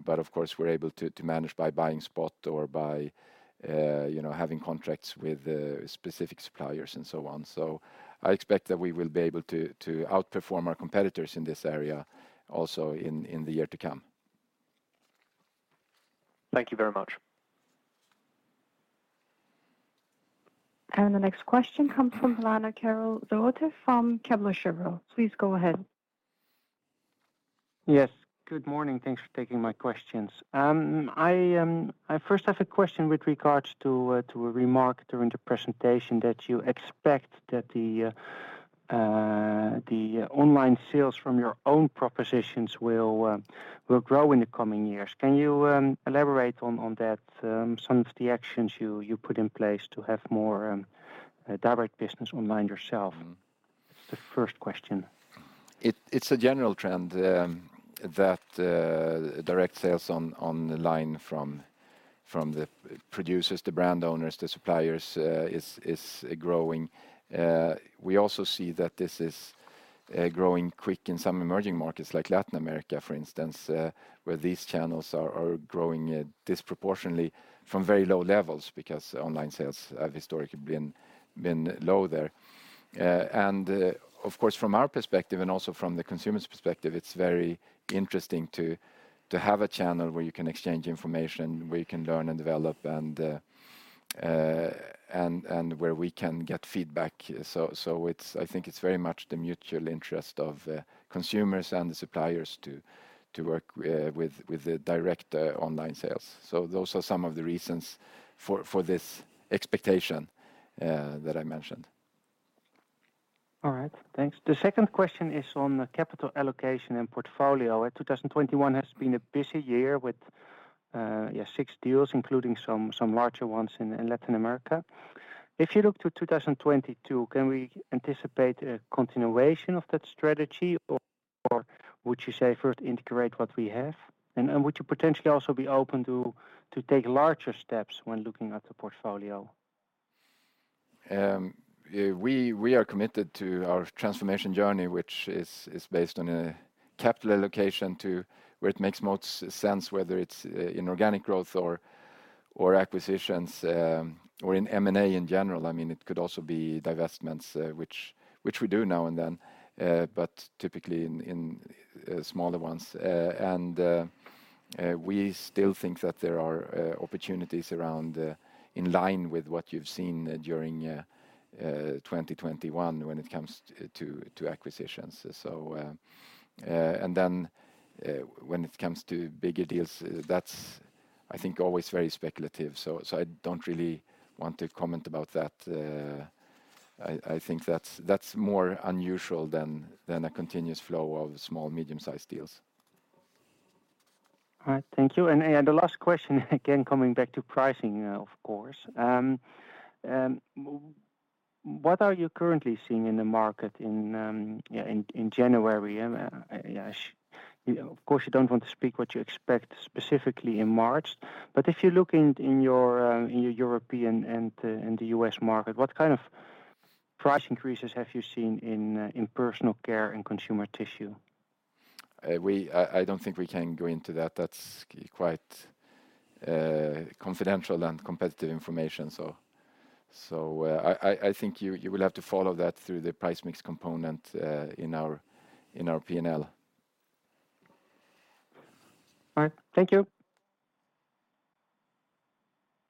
Of course, we're able to manage by buying spot or by, you know, having contracts with specific suppliers and so on. I expect that we will be able to outperform our competitors in this area also in the year to come. Thank you very much. The next question comes from Karel Zoete from Kepler Cheuvreux. Please go ahead. Yes. Good morning. Thanks for taking my questions. I first have a question with regards to a remark during the presentation that you expect that the online sales from your own propositions will grow in the coming years. Can you elaborate on that, some of the actions you put in place to have more direct business online yourself? The first question. It's a general trend that direct sales online from the producers, the brand owners, the suppliers is growing. We also see that this is growing quick in some emerging markets like Latin America, for instance, where these channels are growing disproportionately from very low levels because online sales have historically been low there. Of course, from our perspective and also from the consumer's perspective, it's very interesting to have a channel where you can exchange information, where you can learn and develop and where we can get feedback. It's very much the mutual interest of consumers and the suppliers to work with the direct online sales. Those are some of the reasons for this expectation that I mentioned. All right. Thanks. The second question is on the capital allocation and portfolio. 2021 has been a busy year with 6 deals, including some larger ones in Latin America. If you look to 2022, can we anticipate a continuation of that strategy, or would you say first integrate what we have? Would you potentially also be open to take larger steps when looking at the portfolio? We are committed to our transformation journey, which is based on a capital allocation to where it makes most sense, whether it's in organic growth or acquisitions or in M&A in general. I mean, it could also be divestments, which we do now and then, but typically in smaller ones. We still think that there are opportunities around in line with what you've seen during 2021 when it comes to acquisitions. When it comes to bigger deals, that's, I think, always very speculative. I don't really want to comment about that. I think that's more unusual than a continuous flow of small, medium-sized deals. All right. Thank you. The last question, again, coming back to pricing, of course. What are you currently seeing in the market in January? Of course, you don't want to speak what you expect specifically in March. If you look in your European and the U.S. market, what kind of price increases have you seen in Personal Care and Consumer Tissue? I don't think we can go into that. That's quite confidential and competitive information. I think you will have to follow that through the price mix component in our P&L. All right. Thank you.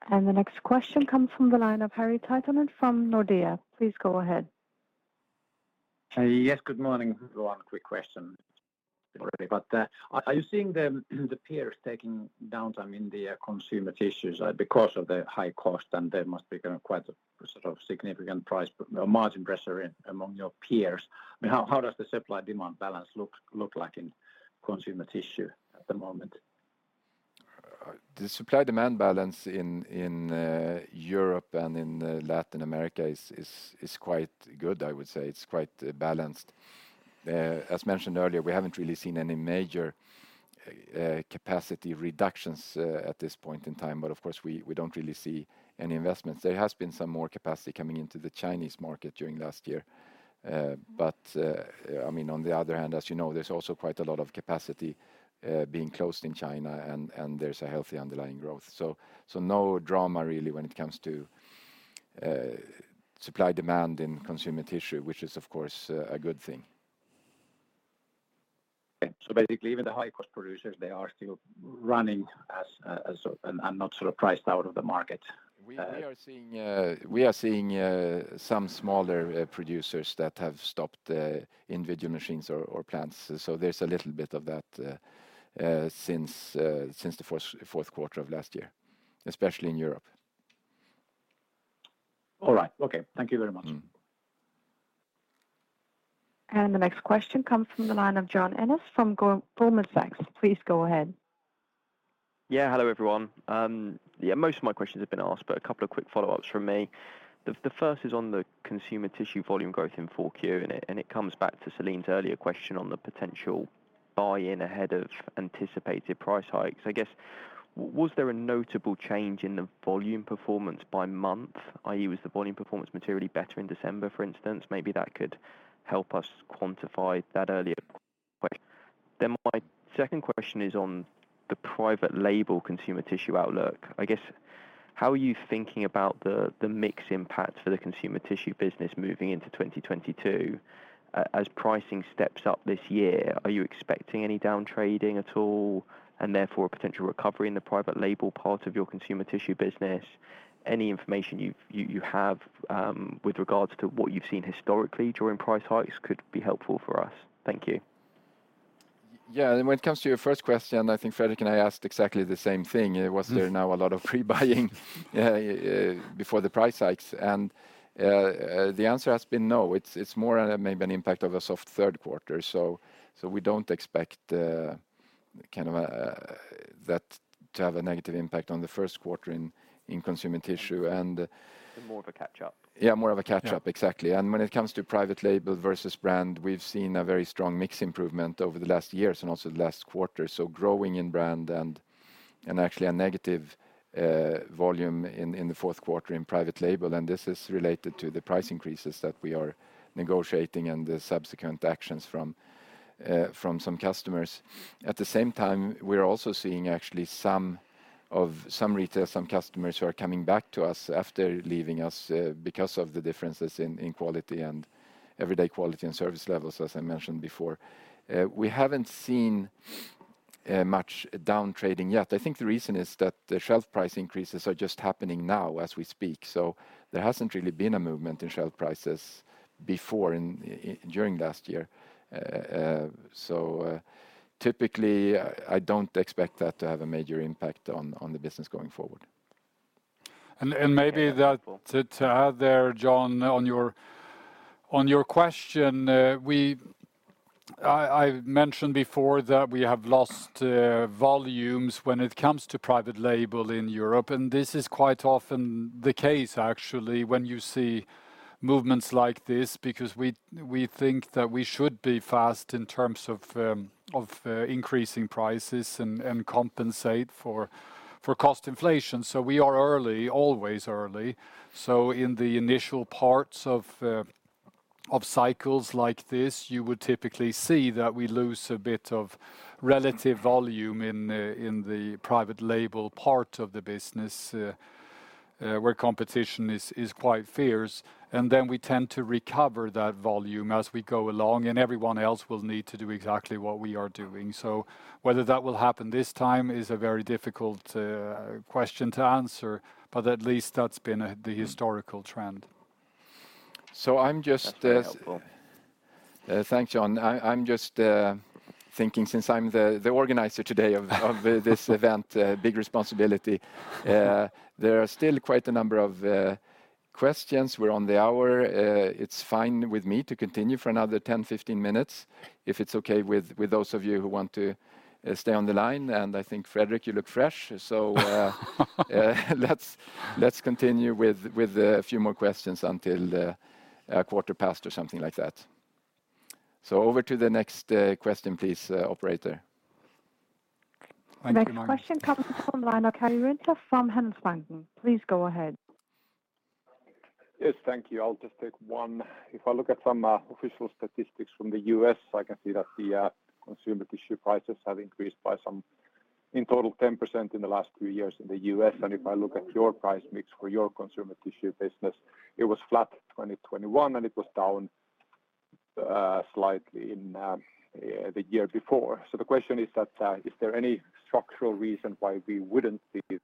The next question comes from the line of Harry Tideman from Nordea. Please go ahead. Yes, good morning. One quick question. Are you seeing the peers taking downtime in the Consumer Tissue because of the high cost? There must be kind of quite a sort of significant price, but you know, margin pressure among your peers. I mean, how does the supply-demand balance look like in Consumer Tissue at the moment? The supply-demand balance in Europe and in Latin America is quite good, I would say. It's quite balanced. As mentioned earlier, we haven't really seen any major capacity reductions at this point in time. Of course, we don't really see any investments. There has been some more capacity coming into the Chinese market during last year. I mean, on the other hand, as you know, there's also quite a lot of capacity being closed in China, and there's a healthy underlying growth. No drama really when it comes to supply-demand in Consumer Tissue, which is, of course, a good thing. Basically, even the high cost producers, they are still running and not sort of priced out of the market. We are seeing some smaller producers that have stopped individual machines or plants. There's a little bit of that since the fourth quarter of last year, especially in Europe. All right. Okay. Thank you very much. Mm-hmm. The next question comes from the line of John Ennis from Goldman Sachs. Please go ahead. Yeah. Hello, everyone. Yeah, most of my questions have been asked, but a couple of quick follow-ups from me. The first is on the Consumer Tissue volume growth in Q4, and it comes back to Celine's earlier question on the potential buy-in ahead of anticipated price hikes. I guess, was there a notable change in the volume performance by month? I.e., was the volume performance materially better in December, for instance? Maybe that could help us quantify that earlier question. Then my second question is on the private label Consumer Tissue outlook. I guess, how are you thinking about the mix impact for the Consumer Tissue business moving into 2022? As pricing steps up this year, are you expecting any down trading at all, and therefore a potential recovery in the private label part of your Consumer Tissue business? Any information you have with regards to what you've seen historically during price hikes could be helpful for us. Thank you. Yeah. When it comes to your first question, I think Fredrik and I asked exactly the same thing. Was there now a lot of pre-buying before the price hikes? The answer has been no. It's more maybe an impact of a soft third quarter. We don't expect that to have a negative impact on the first quarter in Consumer Tissue. More of a catch-up. Yeah, more of a catch-up. Yeah. Exactly. When it comes to private label versus brand, we've seen a very strong mix improvement over the last years and also the last quarter. Growing in brand and actually a negative volume in the fourth quarter in private label. This is related to the price increases that we are negotiating and the subsequent actions from some customers. At the same time, we're also seeing actually some retailers, some customers who are coming back to us after leaving us because of the differences in quality and everyday quality and service levels, as I mentioned before. We haven't seen much down trading yet. I think the reason is that the shelf price increases are just happening now as we speak. There hasn't really been a movement in shelf prices before, during last year. Typically I don't expect that to have a major impact on the business going forward. Maybe that's to add there, John, on your question. I mentioned before that we have lost volumes when it comes to private label in Europe, and this is quite often the case actually, when you see movements like this, because we think that we should be fast in terms of increasing prices and compensate for cost inflation. We are early, always early. In the initial parts of cycles like this, you would typically see that we lose a bit of relative volume in the private label part of the business, where competition is quite fierce. Then we tend to recover that volume as we go along, and everyone else will need to do exactly what we are doing. Whether that will happen this time is a very difficult question to answer, but at least that's been the historical trend. I'm just. That's very helpful. Thanks, John. I'm just thinking since I'm the organizer today of this event, big responsibility. There are still quite a number of questions. We're on the hour. It's fine with me to continue for another 10, 15 minutes if it's okay with those of you who want to stay on the line. I think, Fredrik, you look fresh. Let's continue with a few more questions until quarter past or something like that. Over to the next question, please, operator. Thank you, Magnus. The next question comes from the line of Karri Rinta from Handelsbanken. Please go ahead. Yes, thank you. I'll just take one. If I look at some official statistics from the U.S., I can see that the Consumer Tissue prices have increased by in total 10% in the last three years in the U.S. If I look at your price mix for your Consumer Tissue business, it was flat 2020/2021, and it was down slightly in the year before. The question is that, is there any structural reason why we wouldn't see the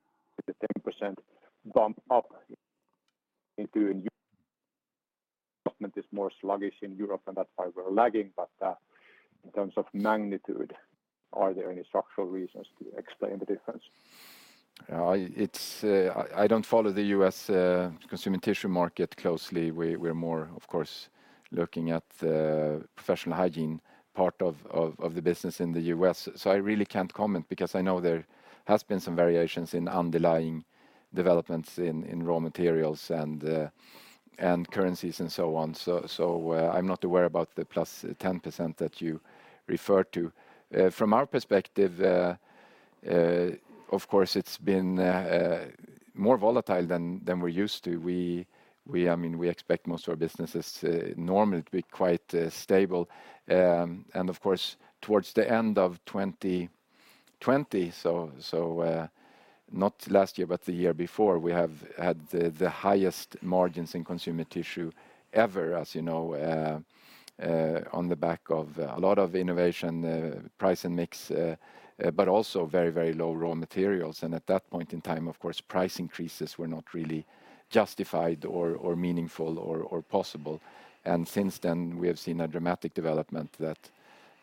10% bump up into Europe? Development is more sluggish in Europe, and that's why we're lagging. In terms of magnitude, are there any structural reasons to explain the difference? I don't follow the U.S. Consumer Tissue market closely. We're more, of course, looking at the Professional Hygiene part of the business in the U.S. I really can't comment because I know there has been some variations in underlying developments in raw materials and currencies and so on. I'm not aware about the +10% that you refer to. From our perspective, of course, it's been more volatile than we're used to. I mean, we expect most of our businesses normally to be quite stable. Of course, towards the end of 2020, not last year, but the year before, we have had the highest margins in Consumer Tissue ever, as you know, on the back of a lot of innovation, price and mix, but also very low raw materials. At that point in time, of course, price increases were not really justified or meaningful or possible. Since then, we have seen a dramatic development that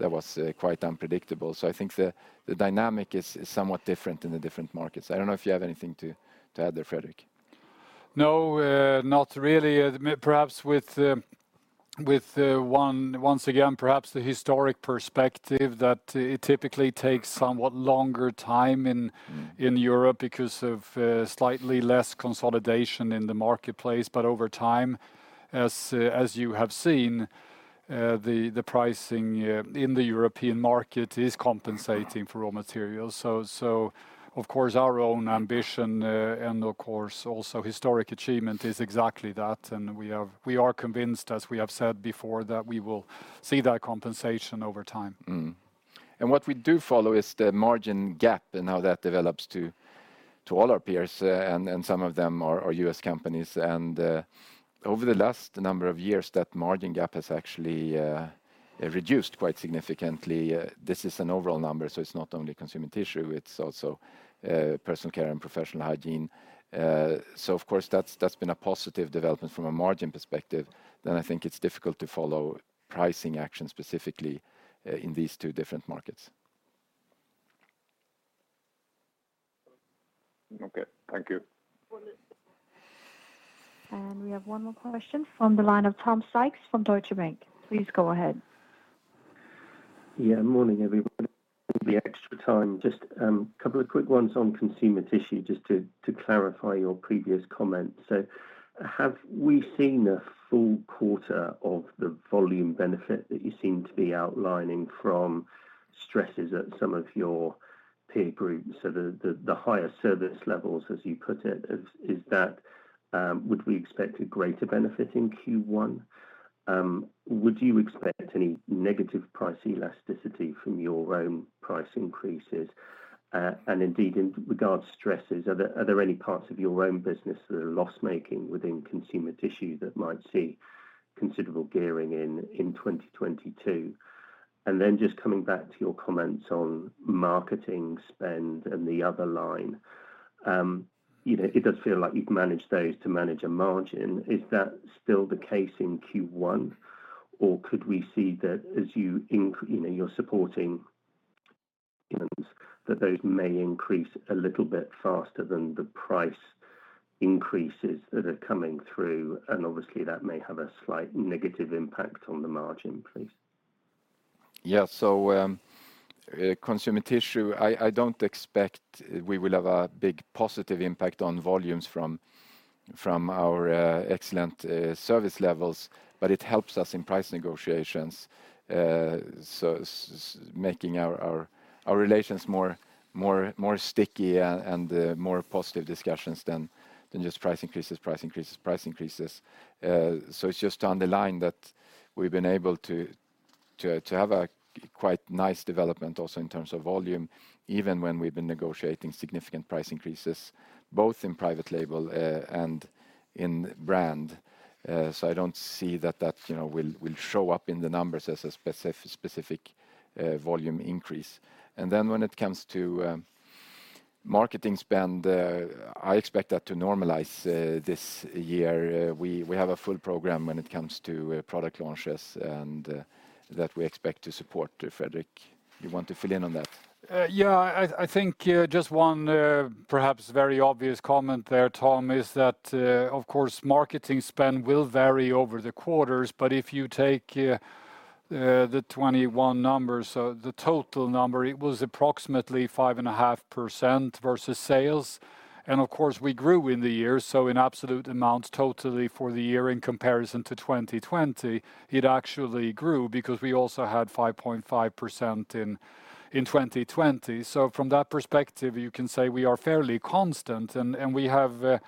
was quite unpredictable. I think the dynamic is somewhat different in the different markets. I don't know if you have anything to add there, Fredrik. No, not really. Perhaps with once again, perhaps the historic perspective that it typically takes somewhat longer time in- Mm-hmm... in Europe because of slightly less consolidation in the marketplace. Over time, as you have seen, the pricing in the European market is compensating for raw materials. Of course, our own ambition and of course, also historic achievement is exactly that. We are convinced, as we have said before, that we will see that compensation over time. What we do follow is the margin gap and how that develops to all our peers, and some of them are U.S. companies. Over the last number of years, that margin gap has actually reduced quite significantly. This is an overall number, so it's not only Consumer Tissue, it's also Personal Care and Professional Hygiene. Of course, that's been a positive development from a margin perspective. I think it's difficult to follow pricing action specifically in these two different markets. Okay. Thank you. We have one more question from the line of Tom Sykes from Deutsche Bank. Please go ahead. Yeah. Good morning, everyone. Thanks for the extra time. Just a couple of quick ones on Consumer Tissue, just to clarify your previous comments. Have we seen a full quarter of the volume benefit that you seem to be outlining from stresses at some of your peer groups? The higher service levels, as you put it, is that would we expect a greater benefit in Q1? Would you expect any negative price elasticity from your own price increases? Indeed, in regards to stresses, are there any parts of your own business that are loss-making within Consumer Tissue that might see considerable gearing in 2022? Then just coming back to your comments on marketing spend and the other line, you know, it does feel like you've managed those to manage a margin. Is that still the case in Q1, or could we see that as you know, you're supporting that those may increase a little bit faster than the price increases that are coming through, and obviously that may have a slight negative impact on the margin, please? Yeah. Consumer Tissue, I don't expect we will have a big positive impact on volumes from our excellent service levels, but it helps us in price negotiations, making our relations more sticky and more positive discussions than just price increases. It's just to underline that we've been able to have a quite nice development also in terms of volume, even when we've been negotiating significant price increases, both in private label and in brand. I don't see that, you know, will show up in the numbers as a specific volume increase. When it comes to marketing spend, I expect that to normalize this year. We have a full program when it comes to product launches and that we expect to support. Fredrik, you want to fill in on that? Yeah, I think just one perhaps very obvious comment there, Tom, is that of course, marketing spend will vary over the quarters. If you take the 2021 numbers, so the total number, it was approximately 5.5% versus sales. Of course, we grew in the year, so in absolute amounts totally for the year in comparison to 2020, it actually grew because we also had 5.5% in 2020. From that perspective, you can say we are fairly constant. We have,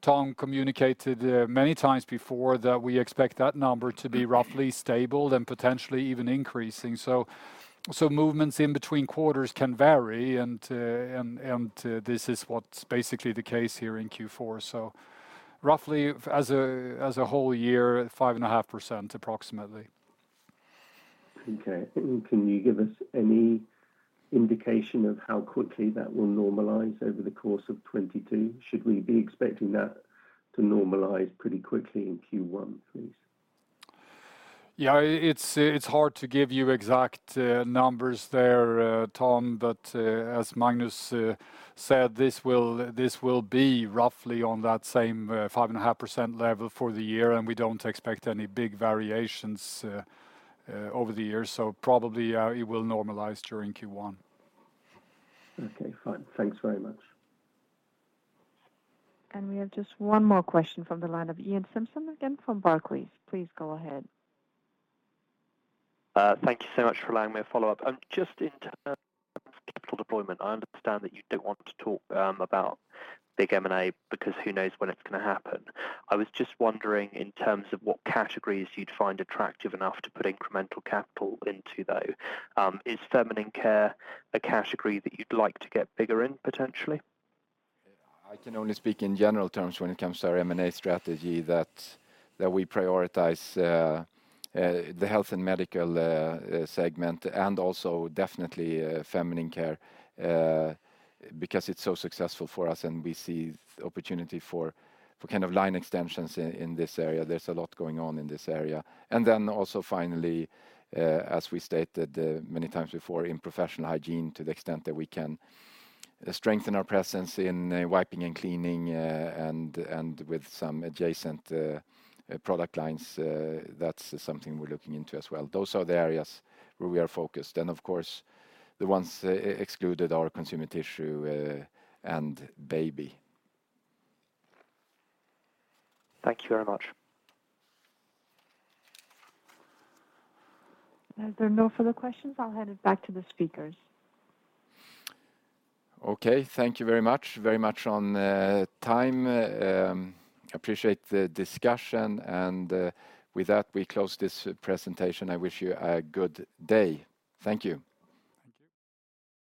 Tom, communicated many times before that we expect that number to be roughly stable and potentially even increasing. Movements in between quarters can vary and this is what's basically the case here in Q4. Roughly as a whole year, 5.5%, approximately. Okay. Can you give us any indication of how quickly that will normalize over the course of 2022? Should we be expecting that to normalize pretty quickly in Q1, please? Yeah. It's hard to give you exact numbers there, Tom, but as Magnus said, this will be roughly on that same 5.5% level for the year, and we don't expect any big variations over the year. Probably, it will normalize during Q1. Okay. Fine. Thanks very much. We have just one more question from the line of Iain Simpson again from Barclays. Please go ahead. Thank you so much for allowing me to follow up. Just in terms of capital deployment, I understand that you don't want to talk about big M&A because who knows when it's gonna happen. I was just wondering, in terms of what categories you'd find attractive enough to put incremental capital into, though. Is feminine care a category that you'd like to get bigger in potentially? I can only speak in general terms when it comes to our M&A strategy that we prioritize the health and medical segment, and also definitely feminine care because it's so successful for us and we see opportunity for kind of line extensions in this area. There's a lot going on in this area. Then also finally, as we stated many times before in Professional Hygiene, to the extent that we can strengthen our presence in wiping and cleaning and with some adjacent product lines, that's something we're looking into as well. Those are the areas where we are focused. Of course, the ones excluded are Consumer Tissue and baby. Thank you very much. As there are no further questions, I'll hand it back to the speakers. Okay. Thank you very much. Very much on time. Appreciate the discussion. With that, we close this presentation. I wish you a good day. Thank you. Thank you.